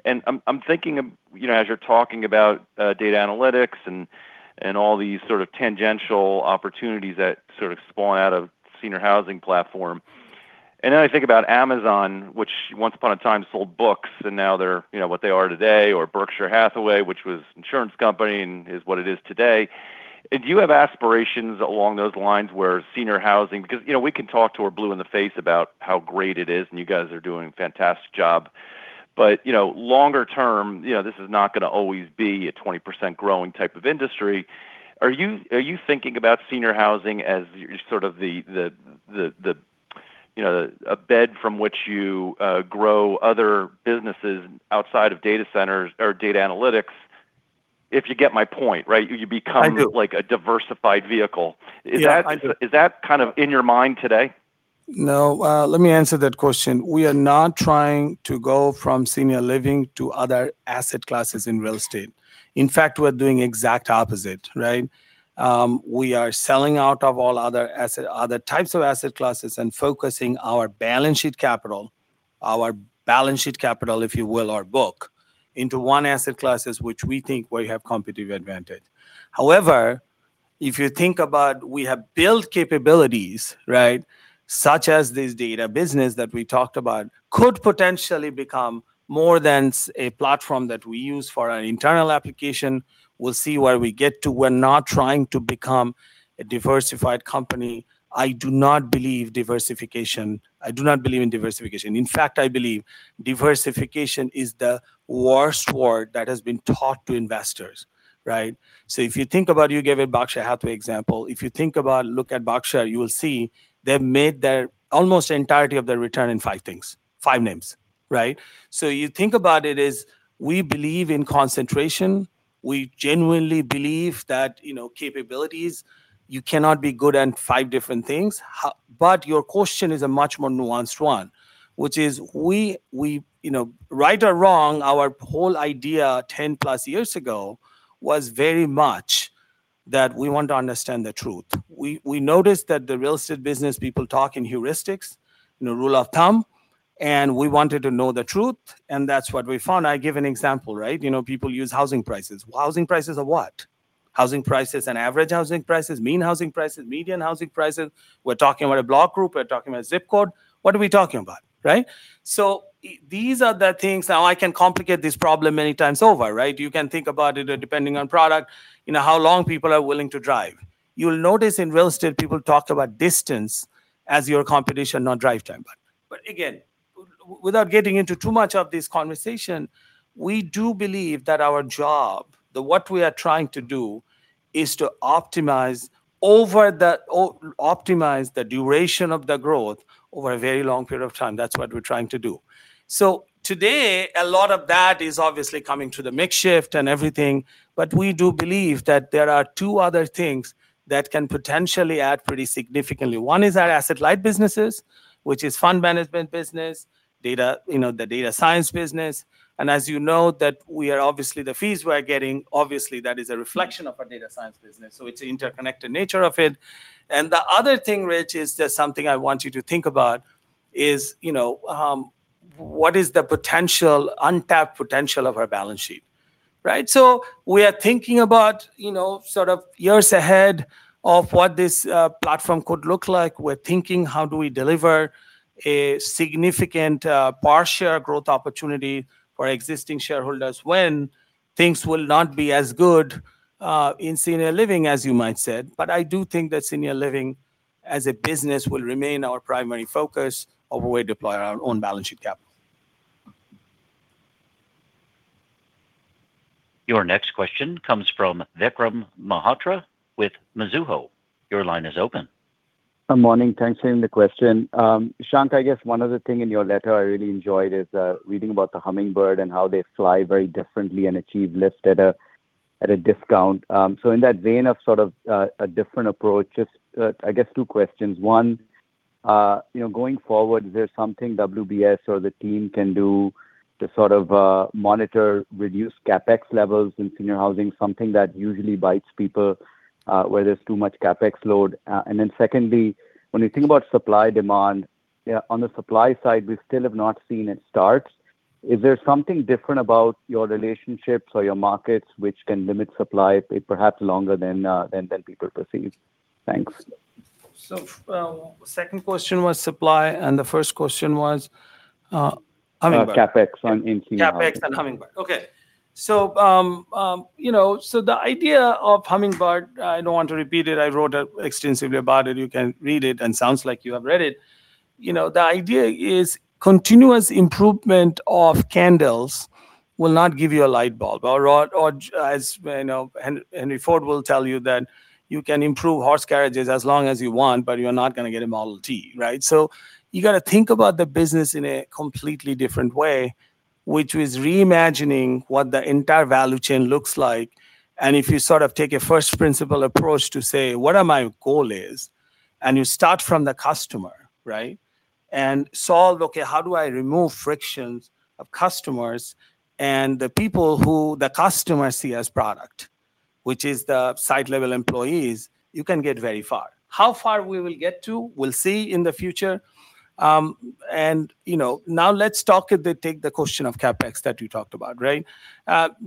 I'm thinking of, you know, as you're talking about, data analytics and all these sort of tangential opportunities that sort of spawn out of senior housing platform. I think about Amazon, which once upon a time sold books, and now they're, you know, what they are today, or Berkshire Hathaway, which was insurance company and is what it is today. Do you have aspirations along those lines where senior housing because, you know, we can talk till we're blue in the face about how great it is, and you guys are doing a fantastic job. You know, longer term, you know, this is not going to always be a 20% growing type of industry. Are you thinking about senior housing as sort of the, the, you know, a bed from which you grow other businesses outside of data centers or data analytics, if you get my point, right? I do like a diversified vehicle. Yeah, I do. Is that kind of in your mind today? No. Let me answer that question. We are not trying to go from senior living to other asset classes in real estate. We're doing exact opposite, right? We are selling out of all other types of asset classes and focusing our balance sheet capital, if you will, our book, into one asset classes which we think we have competitive advantage. However, if you think about we have built capabilities, right? Such as this data business that we talked about could potentially become more than a platform that we use for our internal application. We'll see where we get to. We're not trying to become a diversified company. I do not believe in diversification. I believe diversification is the worst word that has been taught to investors, right? If you think about it, you gave a Berkshire Hathaway example. If you think about, look at Berkshire, you will see they've made their almost entirety of their return in five things, five names, right? You think about it as we believe in concentration. We genuinely believe that, you know, capabilities, you cannot be good at five different things. Your question is a much more nuanced one, which is we, you know, right or wrong, our whole idea 10+ years ago was very much that we want to understand the truth. We noticed that the real estate business people talk in heuristics, you know, rule of thumb, and we wanted to know the truth, and that's what we found. I gave an example, right? You know, people use housing prices. Housing prices of what? Housing prices and average housing prices, mean housing prices, median housing prices. We're talking about a block group. We're talking about zip code. What are we talking about, right? These are the things. Now, I can complicate this problem many times over, right? You can think about it depending on product, you know, how long people are willing to drive. You'll notice in real estate, people talk about distance as your competition, not drive time. Without getting into too much of this conversation, we do believe that our job, that what we are trying to do is to optimize over the optimize the duration of the growth over a very long period of time. That's what we're trying to do. Today, a lot of that is obviously coming through the mix shift and everything, but we do believe that there are two other things that can potentially add pretty significantly. One is our asset-light businesses, which is fund management business, data, you know, the data science business. As you know, that we are obviously the fees we are getting, obviously that is a reflection of our data science business. It's the interconnected nature of it. The other thing, Rich, is there's something I want you to think about is, you know, untapped potential of our balance sheet, right? We are thinking about, you know, sort of years ahead of what this platform could look like. We're thinking how do we deliver a significant per share growth opportunity for existing shareholders when things will not be as good in senior living as you might said. I do think that senior living as a business will remain our primary focus of where we deploy our own balance sheet capital. Your next question comes from Vikram Malhotra with Mizuho. Your line is open. Good morning. Thanks for taking the question. Shankh, I guess one of the thing in your letter I really enjoyed is reading about the hummingbird and how they fly very differently and achieve lift at a discount. In that vein of sort of a different approach, just I guess two questions. One, you know, going forward, is there something WBS or the team can do to sort of monitor, reduce CapEx levels in senior housing, something that usually bites people where there's too much CapEx load? Secondly, when you think about supply demand, on the supply side, we still have not seen it start. Is there something different about your relationships or your markets which can limit supply perhaps longer than people perceive? Thanks. Second question was supply, and the first question was hummingbird. CapEx on in senior housing. CapEx and hummingbird. Okay. You know, the idea of hummingbird, I don't want to repeat it, I wrote extensively about it. You can read it, and sounds like you have read it. You know, the idea is continuous improvement of candles will not give you a light bulb. Or as, you know, Henry Ford will tell you that you can improve horse carriages as long as you want, but you're not gonna get a Model T, right? You gotta think about the business in a completely different way, which is reimagining what the entire value chain looks like. If you sort of take a first principle approach to say, "What are my goal is?" You start from the customer, right? Solve, okay, how do I remove frictions of customers and the people who the customers see as product, which is the site level employees, you can get very far. How far we will get to, we'll see in the future. You know, now let's take the question of CapEx that you talked about, right?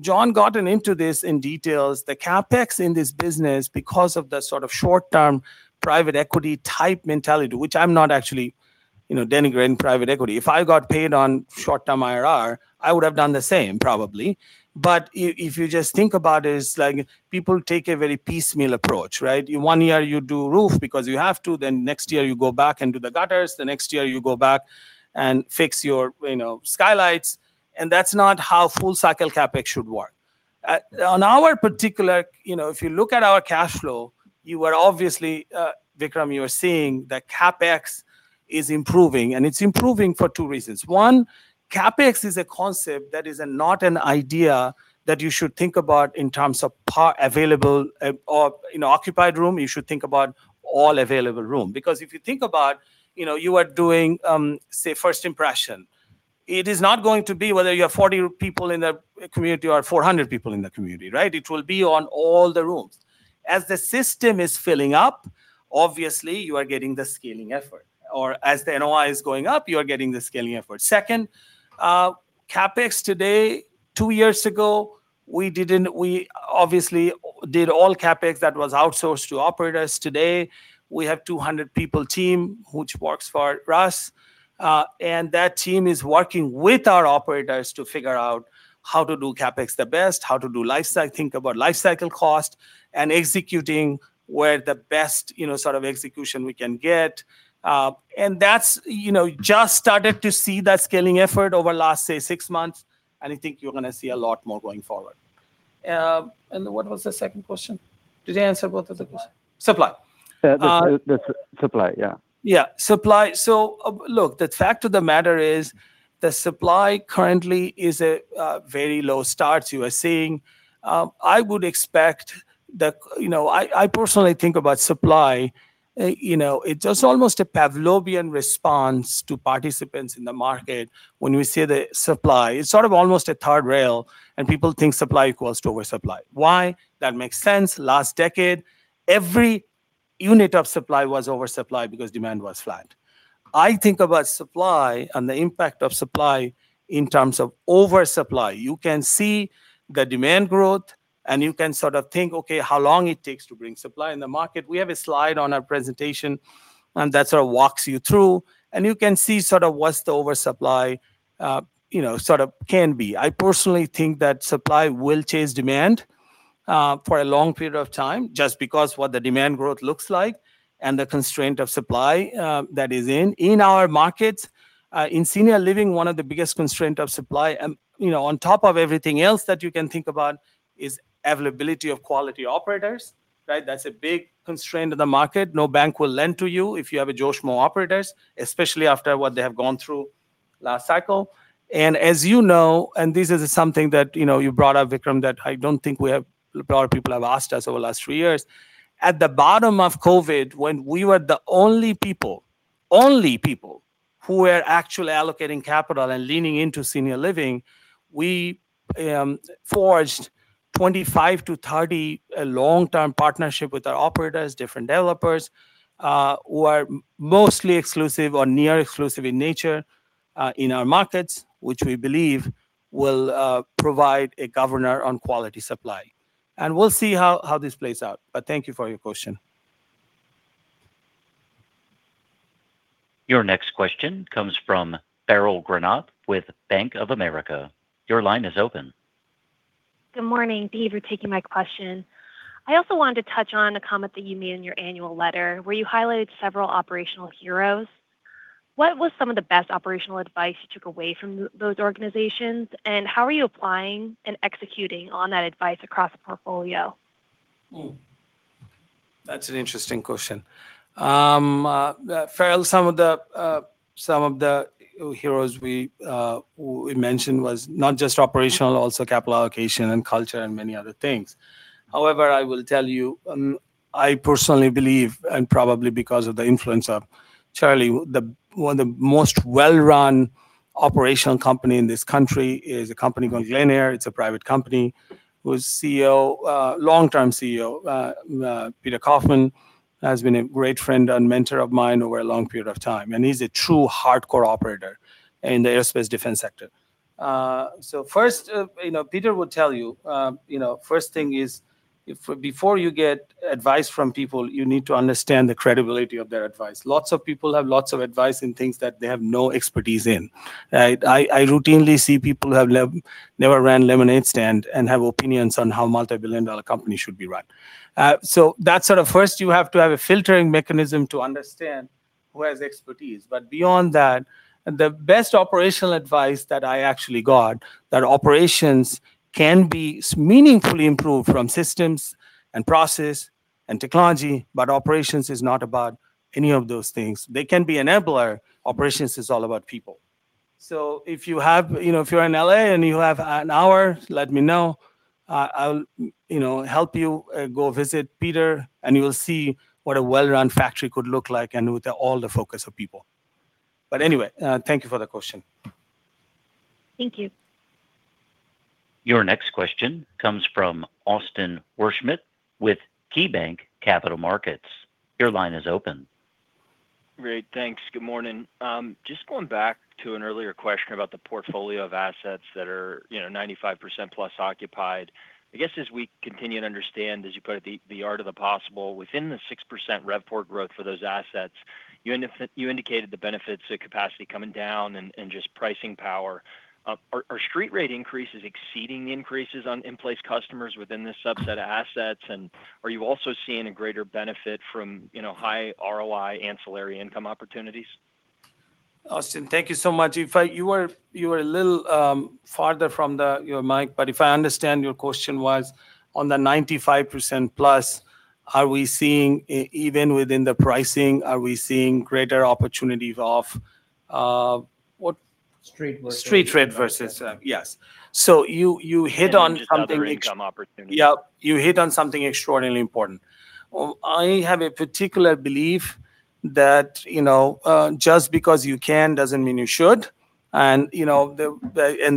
John got into this in detail. The CapEx in this business, because of the sort of short-term private equity type mentality, which I'm not actually, you know, denigrating private equity. If I got paid on short-term IRR, I would have done the same probably. If you just think about it's like people take a very piecemeal approach, right? One year you do roof because you have to, then next year you go back and do the gutters, the next year you go back and fix your, you know, skylights. That's not how full cycle CapEx should work. On our particular, you know, if you look at our cash flow, you are obviously, Vikram, you are seeing that CapEx is improving, and it's improving for two reasons. One, CapEx is a concept that is not an idea that you should think about in terms of available, or, you know, occupied room. You should think about all available room. If you think about, you know, you are doing, say, first impression. It is not going to be whether you have 40 people in the community or 400 people in the community, right? It will be on all the rooms. As the system is filling up, obviously you are getting the scaling effort. As the NOI is going up, you are getting the scaling effort. Second, CapEx today, two years ago, we obviously did all CapEx that was outsourced to operators. Today, we have 200 people team which works for us. And that team is working with our operators to figure out how to do CapEx the best, how to do think about life cycle cost, and executing where the best, you know, sort of execution we can get. And that's, you know, just started to see that scaling effort over last, say, six months. I think you're gonna see a lot more going forward. What was the second question? Did I answer both of the questions? Supply. Supply. Yeah. The supply, yeah. Yeah. Supply. Look, the fact of the matter is the supply currently is at very low starts. You are seeing, you know, I personally think about supply. You know, it's almost a Pavlovian response to participants in the market when we see the supply. It's sort of almost a third rail, and people think supply equals to oversupply. Why? That makes sense. Last decade, every unit of supply was oversupplied because demand was flat. I think about supply and the impact of supply in terms of oversupply. You can see the demand growth, and you can sort of think, okay, how long it takes to bring supply in the market. We have a slide on our presentation that sort of walks you through, and you can see sort of what's the oversupply, you know, sort of can be. I personally think that supply will chase demand. For a long period of time, just because what the demand growth looks like and the constraint of supply that is in. In our markets, in senior living, one of the biggest constraint of supply, you know, on top of everything else that you can think about, is availability of quality operators, right? That's a big constraint of the market. No bank will lend to you if you have a Joe Schmoe operators, especially after what they have gone through last cycle. As you know, and this is something that, you know, you brought up, Vikram, that I don't think a lot of people have asked us over the last three years. At the bottom of COVID, when we were the only people who were actually allocating capital and leaning into senior living, we forged 25-30 long-term partnership with our operators, different developers, who are mostly exclusive or near exclusive in nature, in our markets, which we believe will provide a governor on quality supply. We'll see how this plays out. Thank you for your question. Your next question comes from Farrell Granath with Bank of America. Your line is open. Good morning. Thank you for taking my question. I also wanted to touch on a comment that you made in your annual letter where you highlighted several operational heroes. What was some of the best operational advice you took away from those organizations, and how are you applying and executing on that advice across the portfolio? That's an interesting question. Farrell, some of the heroes we mentioned was not just operational, also capital allocation and culture and many other things. I will tell you, I personally believe, and probably because of the influence of Charlie, one of the most well-run operational company in this country is a company called Glenair. It's a private company whose CEO, long-term CEO, Peter Kaufman, has been a great friend and mentor of mine over a long period of time. He's a true hardcore operator in the aerospace defense sector. First, you know, Peter will tell you know, first thing is, before you get advice from people, you need to understand the credibility of their advice. Lots of people have lots of advice in things that they have no expertise in, right? I routinely see people who have never ran lemonade stand and have opinions on how multibillion-dollar company should be run. That's sort of first you have to have a filtering mechanism to understand who has expertise. Beyond that, the best operational advice that I actually got, that operations can be meaningfully improved from systems and process and technology, operations is not about any of those things. They can be enabler. Operations is all about people. If you have, you know, if you're in L.A. and you have an hour, let me know. I'll, you know, help you go visit Peter, you will see what a well-run factory could look like with all the focus of people. Anyway, thank you for the question. Thank you. Your next question comes from Austin Wurschmidt with KeyBanc Capital Markets. Your line is open. Great, thanks. Good morning. Just going back to an earlier question about the portfolio of assets that are, you know, 95%+ occupied. I guess as we continue to understand, as you put it, the art of the possible within the 6% RevPOR growth for those assets, you indicated the benefits of capacity coming down and just pricing power. Are street rate increases exceeding increases on in-place customers within this subset of assets? Are you also seeing a greater benefit from, you know, high ROI ancillary income opportunities? Austin, thank you so much. You are a little farther from your mic, but if I understand your question was on the 95%+, are we seeing even within the pricing, greater opportunities of what? Street Street rate versus, yes. You hit on something. Other income opportunities. Yeah. You hit on something extraordinarily important. I have a particular belief that, you know, just because you can doesn't mean you should. You know,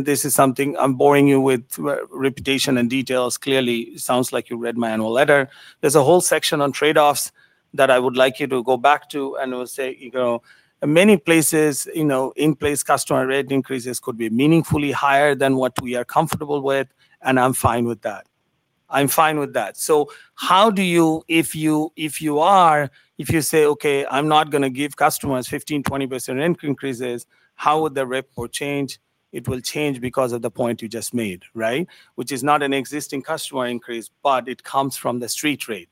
this is something I'm boring you with repetition and details. Clearly, it sounds like you read my annual letter. There's a whole section on trade-offs that I would like you to go back to and will say, you know, many places, you know, in-place customer rate increases could be meaningfully higher than what we are comfortable with, and I'm fine with that. I'm fine with that. If you, if you are, if you say, "Okay, I'm not gonna give customers 15, 20% rent increases," how would the report change? It will change because of the point you just made, right? Which is not an existing customer increase, but it comes from the street rate.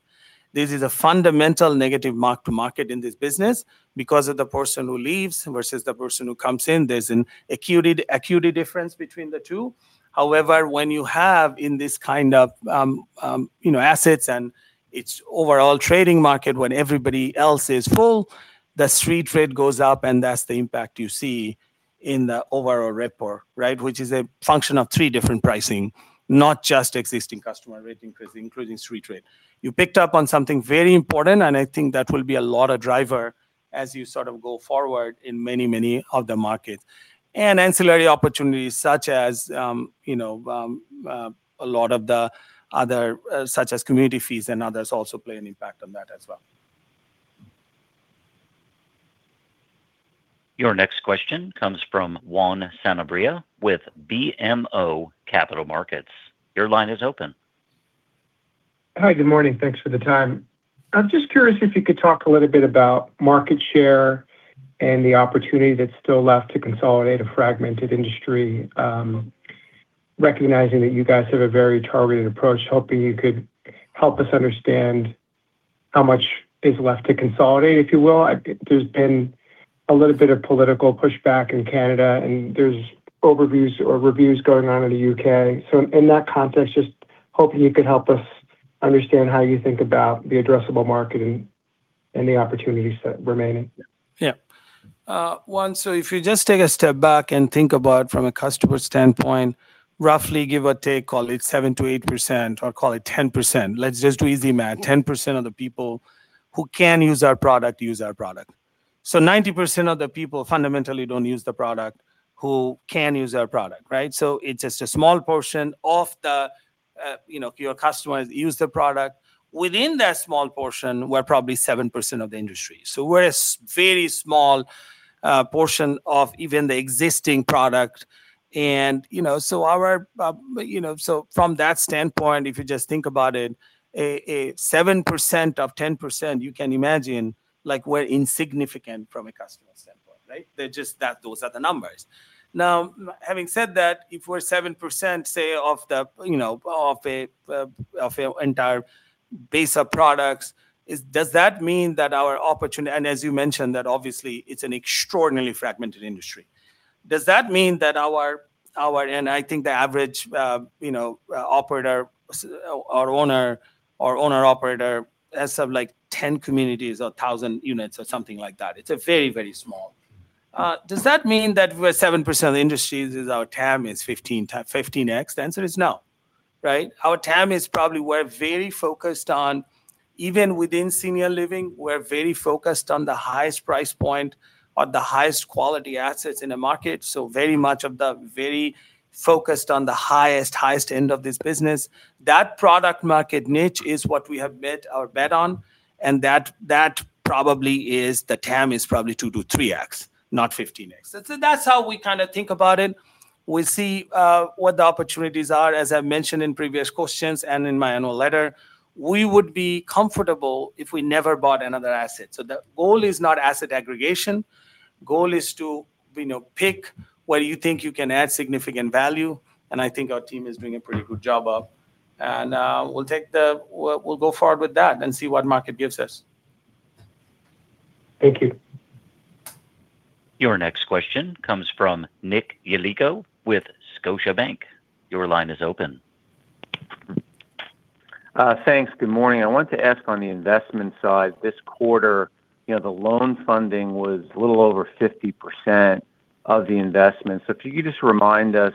This is a fundamental negative mark to market in this business because of the person who leaves versus the person who comes in. There's an acuity difference between the two. When you have in this kind of, you know, assets and its overall trading market, when everybody else is full, the street rate goes up, and that's the impact you see in the overall report, right? Which is a function of three different pricing, not just existing customer rate increase, including street rate. You picked up on something very important, and I think that will be a lot of driver as you sort of go forward in many, many of the markets. Ancillary opportunities such as, you know, a lot of the other, such as community fees and others also play an impact on that as well. Your next question comes from Juan Sanabria with BMO Capital Markets. Your line is open. Hi, good morning. Thanks for the time. I'm just curious if you could talk a little bit about market share and the opportunity that's still left to consolidate a fragmented industry, recognizing that you guys have a very targeted approach. Hoping you could help us understand how much is left to consolidate, if you will. There's been a little bit of political pushback in Canada, and there's overviews or reviews going on in the U.K. In, in that context, just hoping you could help us understand how you think about the addressable market and the opportunities that remaining. Yeah. One, if you just take a step back and think about from a customer standpoint, roughly give or take, call it 7%-8% or call it 10%. Let's just do easy math. 10% of the people who can use our product, use our product. 90% of the people fundamentally don't use the product who can use our product, right? It's just a small portion of the, you know, your customers use the product. Within that small portion, we're probably 7% of the industry. We're a very small portion of even the existing product and, you know. Our, you know. From that standpoint, if you just think about it, a 7% of 10%, you can imagine, like, we're insignificant from a customer standpoint, right? They're just that, those are the numbers. Having said that, if we're 7%, say, of the, you know, of an entire base of products, does that mean that our opportunity? As you mentioned that obviously it's an extraordinarily fragmented industry. I think the average, you know, operator or owner/operator has some, like, 10 communities or 1,000 units or something like that. It's a very small. Does that mean that we're 7% of the industry is our TAM is 15x? The answer is no, right? Our TAM is probably, we're very focused on, even within senior living, we're very focused on the highest price point or the highest quality assets in the market. Very much of the very focused on the highest end of this business. That product market niche is what we have bet on, that probably is the TAM is probably 2x-3x, not 15x. That's how we kind of think about it. We see what the opportunities are, as I've mentioned in previous questions and in my annual letter. We would be comfortable if we never bought another asset. The goal is not asset aggregation. Goal is to, you know, pick where you think you can add significant value, and I think our team is doing a pretty good job of. We'll go forward with that and see what market gives us. Thank you. Your next question comes from Nick Yulico with Scotiabank. Your line is open. Thanks. Good morning. I wanted to ask on the investment side, this quarter, you know, the loan funding was a little over 50% of the investment. If you could just remind us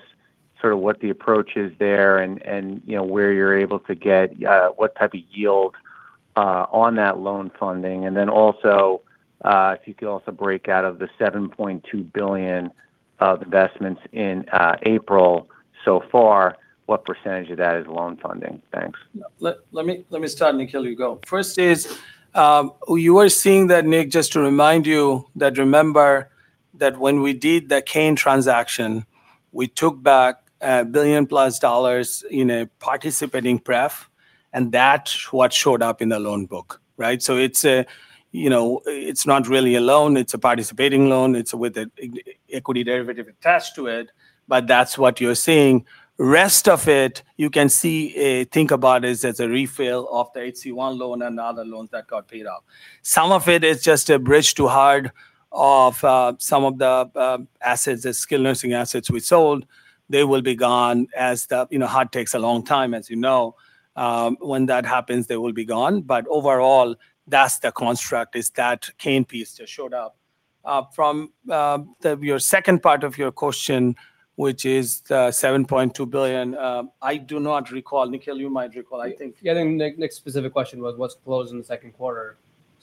sort of what the approach is there and, you know, where you're able to get what type of yield on that loan funding. Then also, if you could also break out of the $7.2 billion of investments in April so far, what percentage of that is loan funding? Thanks. Let me start, Nikhil, you go. First is, you are seeing that Nick, just to remind you that remember that when we did the Kayne transaction, we took back +$1 billion in a participating pref, and that's what showed up in the loan book, right? It's a, you know. It's not really a loan, it's a participating loan. It's with an equity derivative attached to it, that's what you're seeing. Rest of it, you can see, think about is as a refill of the HC-One loan and other loans that got paid off. Some of it is just a bridge to hard of some of the assets, the skilled nursing assets we sold. They will be gone as the, you know, hard takes a long time, as you know. When that happens, they will be gone. Overall, that's the construct, is that Kayne piece that showed up. From your second part of your question, which is the $7.2 billion, I do not recall. Nikhil, you might recall. Yeah, I think Nick's specific question was what's closed in the second quarter.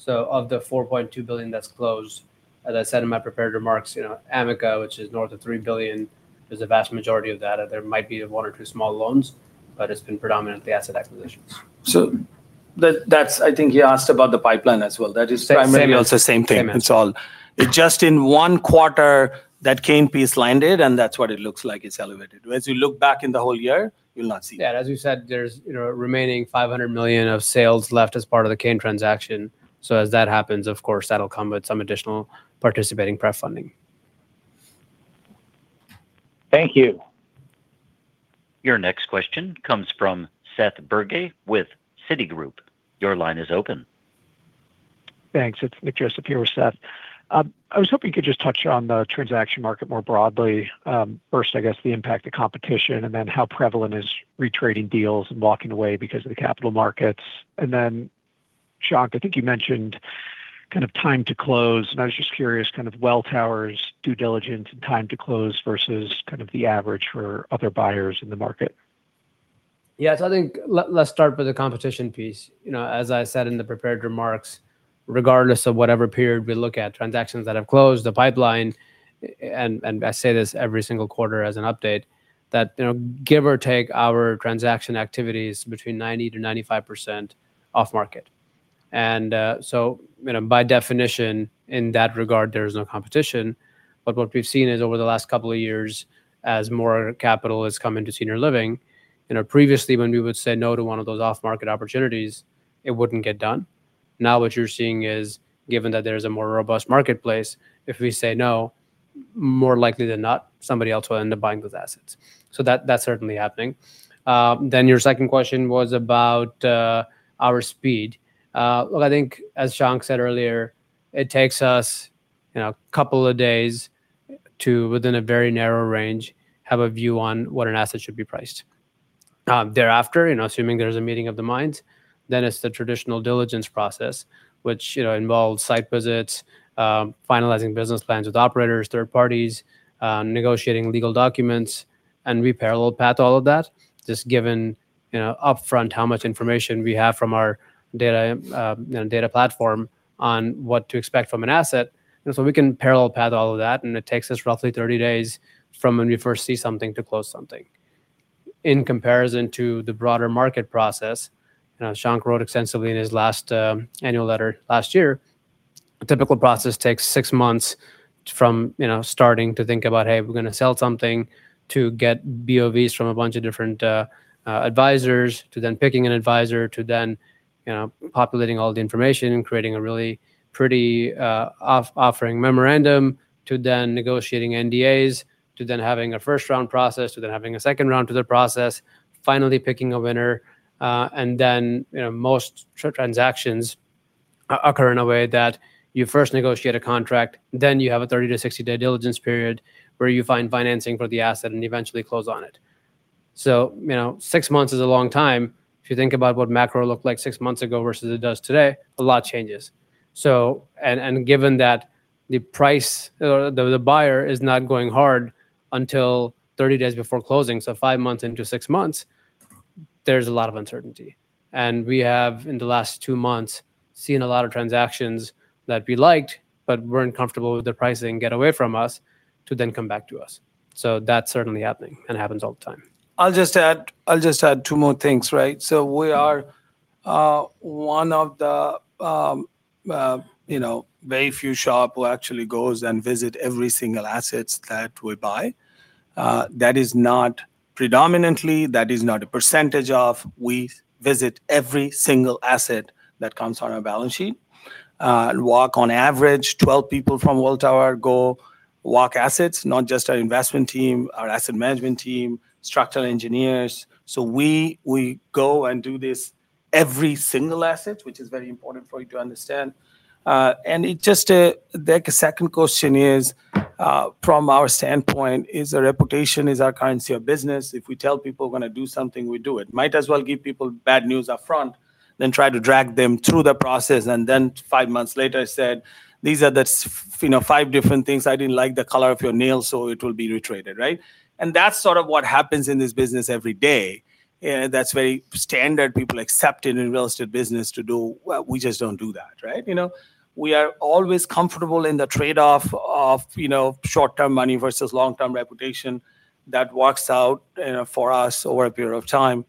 Of the $4.2 billion that's closed, as I said in my prepared remarks, you know, Amica, which is north of $3 billion, is a vast majority of that. There might be one or two small loans, but it's been predominantly asset acquisitions. I think he asked about the pipeline as well. Same, same. Primarily also same thing. Same answer. Just in one quarter, that Kayne piece landed, and that's what it looks like. It's elevated. As you look back in the whole year, you'll not see that. Yeah. As we said, there's, you know, remaining $500 million of sales left as part of the Kayne Anderson transaction. As that happens, of course, that'll come with some additional participating prep funding. Thank you. Your next question comes from Seth Bergey with Citigroup. Your line is open. Thanks. It is Nicholas Joseph here with Seth. I was hoping you could just touch on the transaction market more broadly. First, I guess the impact of competition, and then how prevalent is retrading deals and walking away because of the capital markets. Then, Shankh, I think you mentioned kind of time to close, and I was just curious, kind of Welltower's due diligence and time to close versus kind of the average for other buyers in the market. Yes, I think let's start with the competition piece. You know, as I said in the prepared remarks, regardless of whatever period we look at, transactions that have closed, the pipeline, and I say this every single quarter as an update, that, you know, give or take our transaction activity is between 90%-95% off market. You know, by definition in that regard, there is no competition. What we've seen is over the last couple of years as more capital has come into senior living, you know, previously when we would say no to one of those off-market opportunities, it wouldn't get done. Now what you're seeing is, given that there's a more robust marketplace, if we say no, more likely than not, somebody else will end up buying those assets. That's certainly happening. Your second question was about our speed. Well, I think as Shankh said earlier, it takes us, you know, couple of days to, within a very narrow range, have a view on what an asset should be priced. Thereafter, you know, assuming there's a meeting of the minds, then it's the traditional diligence process, which, you know, involves site visits, finalizing business plans with operators, third parties, negotiating legal documents. We parallel path all of that. Just given, you know, upfront how much information we have from our data, you know, data platform on what to expect from an asset. We can parallel path all of that, and it takes us roughly 30 days from when we first see something to close something. In comparison to the broader market process, you know, Shankh wrote extensively in his last annual letter last year. A typical process takes six months from, you know, starting to think about, "Hey, we're gonna sell something," to get BOVs from a bunch of different advisors, to then picking an advisor, to then, you know, populating all the information and creating a really pretty offering memorandum, to then negotiating NDAs, to then having a first round process, to then having a second round to the process, finally picking a winner. Then, you know, most transactions occur in a way that you first negotiate a contract, then you have a 30-60 day diligence period where you find financing for the asset and eventually close on it. You know, six months is a long time. If you think about what macro looked like six months ago versus it does today, a lot changes. Given that the price or the buyer is not going hard until 30 days before closing, so five months into six months, there's a lot of uncertainty. We have, in the last two months, seen a lot of transactions that we liked but weren't comfortable with the pricing get away from us to then come back to us. That's certainly happening and happens all the time. I'll just add two more things, right? We are, you know, one of the very few SHOP who actually goes and visit every single assets that we buy. That is not a percentage of, we visit every single asset that comes on our balance sheet. Walk on average 12 people from Welltower go walk assets, not just our investment team, our asset management team, structural engineers. We go and do this every single asset, which is very important for you to understand. And the second question is, from our standpoint, is our reputation is our currency of business. If we tell people we're gonna do something, we do it. Might as well give people bad news upfront than try to drag them through the process and then five months later said, "These are the, you know, five different things. I didn't like the color of your nails, so it will be retraded," right? That's sort of what happens in this business every day. That's very standard. People accept it in real estate business to do. Well, we just don't do that, right? You know, we are always comfortable in the trade-off of, you know, short-term money versus long-term reputation. That works out, you know, for us over a period of time.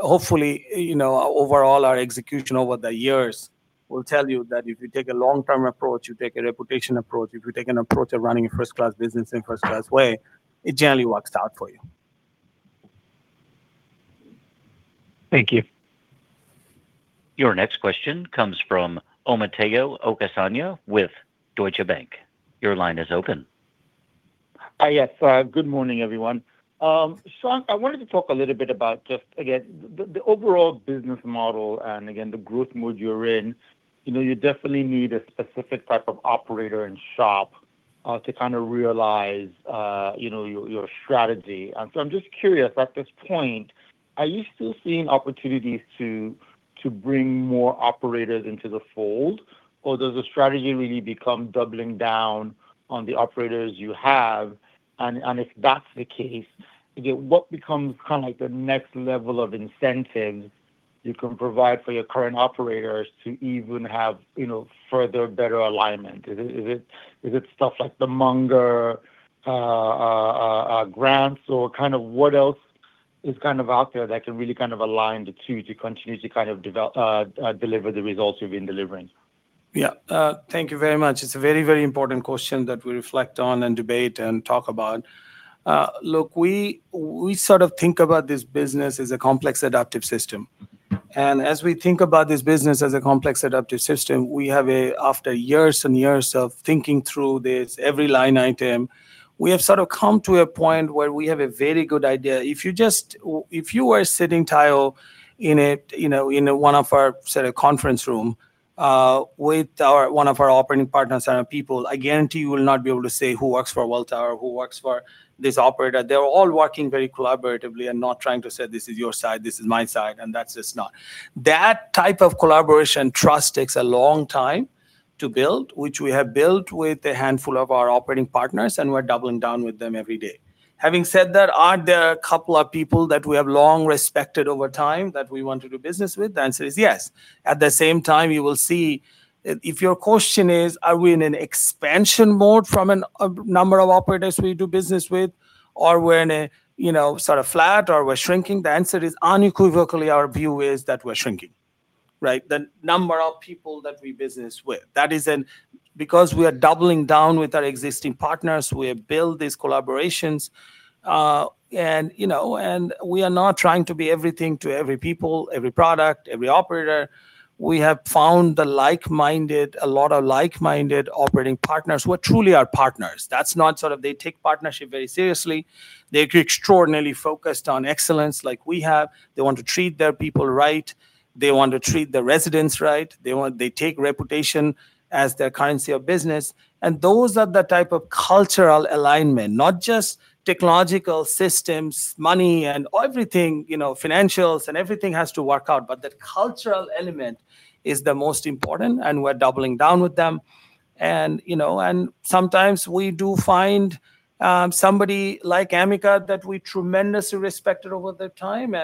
Hopefully, you know, overall our execution over the years will tell you that if you take a long-term approach, you take a reputation approach, if you take an approach of running a first-class business in first-class way, it generally works out for you. Thank you. Your next question comes from Omotayo Okusanya with Deutsche Bank. Your line is open. Yes. Good morning, everyone. Shankh, I wanted to talk a little bit about just, again, the overall business model and again, the growth mode you're in. You know, you definitely need a specific type of operator and SHOP to kind of realize, you know, your strategy. I'm just curious, at this point, are you still seeing opportunities to bring more operators into the fold? Or does the strategy really become doubling down on the operators you have? If that's the case, again, what becomes kind of like the next level of incentive you can provide for your current operators to even have, you know, further better alignment? Is it stuff like the Munger grants or kind of what else is kind of out there that can really kind of deliver the results you've been delivering? Yeah. Thank you very much. It's a very, very important question that we reflect on and debate and talk about. Look, we sort of think about this business as a complex adaptive system. As we think about this business as a complex adaptive system, we have after years and years of thinking through this, every line item, we have sort of come to a point where we have a very good idea. If you were sitting, Tayo, in a, you know, in one of our sort of conference room, with one of our operating partners and our people, I guarantee you will not be able to say who works for Welltower, who works for this operator. They're all working very collaboratively and not trying to say, "This is your side, this is my side. That type of collaboration trust takes a long time to build, which we have built with a handful of our operating partners, and we're doubling down with them every day. Having said that, are there a couple of people that we have long respected over time that we want to do business with? The answer is yes. At the same time, you will see, if your question is, are we in an expansion mode from a number of operators we do business with or we're in a, you know, sort of flat or we're shrinking? The answer is unequivocally our view is that we're shrinking. Right? The number of people that we business with. Because we are doubling down with our existing partners, we have built these collaborations. You know, and we are not trying to be everything to every people, every product, every operator. We have found the like-minded, a lot of like-minded operating partners who are truly our partners. That's not sort of they take partnership very seriously. They're extraordinarily focused on excellence like we have. They want to treat their people right. They want to treat the residents right. They take reputation as their currency of business. Those are the type of cultural alignment, not just technological systems, money and everything, you know, financials and everything has to work out. The cultural element is the most important, and we're doubling down with them. You know, and sometimes we do find somebody like Amica that we tremendously respected over the time.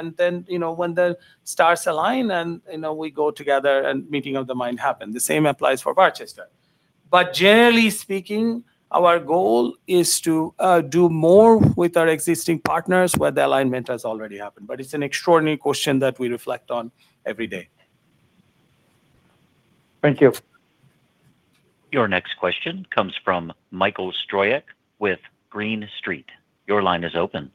You know, when the stars align and, you know, we go together and meeting of the mind happen. The same applies for Barchester. Generally speaking, our goal is to do more with our existing partners where the alignment has already happened. It's an extraordinary question that we reflect on every day. Thank you. Your next question comes from Michael Stroyek with Green Street. Your line is open.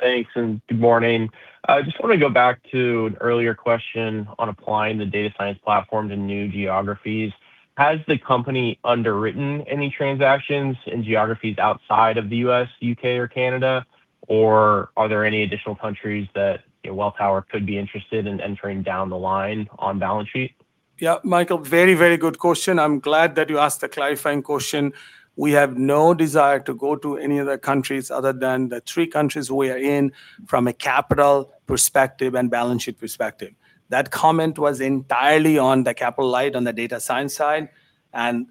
Thanks and good morning. I just want to go back to an earlier question on applying the data science platform to new geographies. Has the company underwritten any transactions in geographies outside of the U.S., U.K., or Canada? Are there any additional countries that, you know, Welltower could be interested in entering down the line on balance sheet? Yeah, Michael, very, very good question. I'm glad that you asked the clarifying question. We have no desire to go to any other countries other than the three countries we are in from a capital perspective and balance sheet perspective. That comment was entirely on the capital light, on the data science side.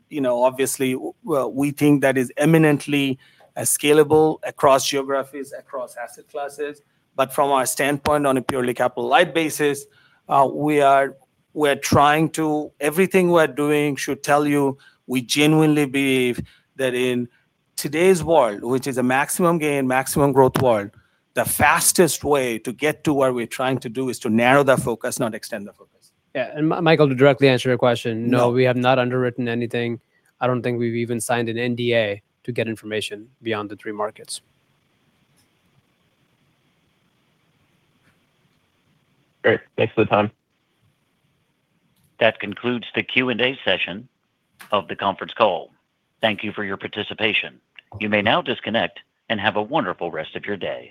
You know, obviously we think that is eminently scalable across geographies, across asset classes. From our standpoint on a purely capital light basis, Everything we're doing should tell you we genuinely believe that in today's world, which is a maximum gain, maximum growth world, the fastest way to get to where we're trying to do is to narrow the focus, not extend the focus. Yeah. Michael, to directly answer your question. Yeah No, we have not underwritten anything. I don't think we've even signed an NDA to get information beyond the three markets. Great. Thanks for the time. That concludes the Q&A session of the conference call. Thank you for your participation. You may now disconnect and have a wonderful rest of your day.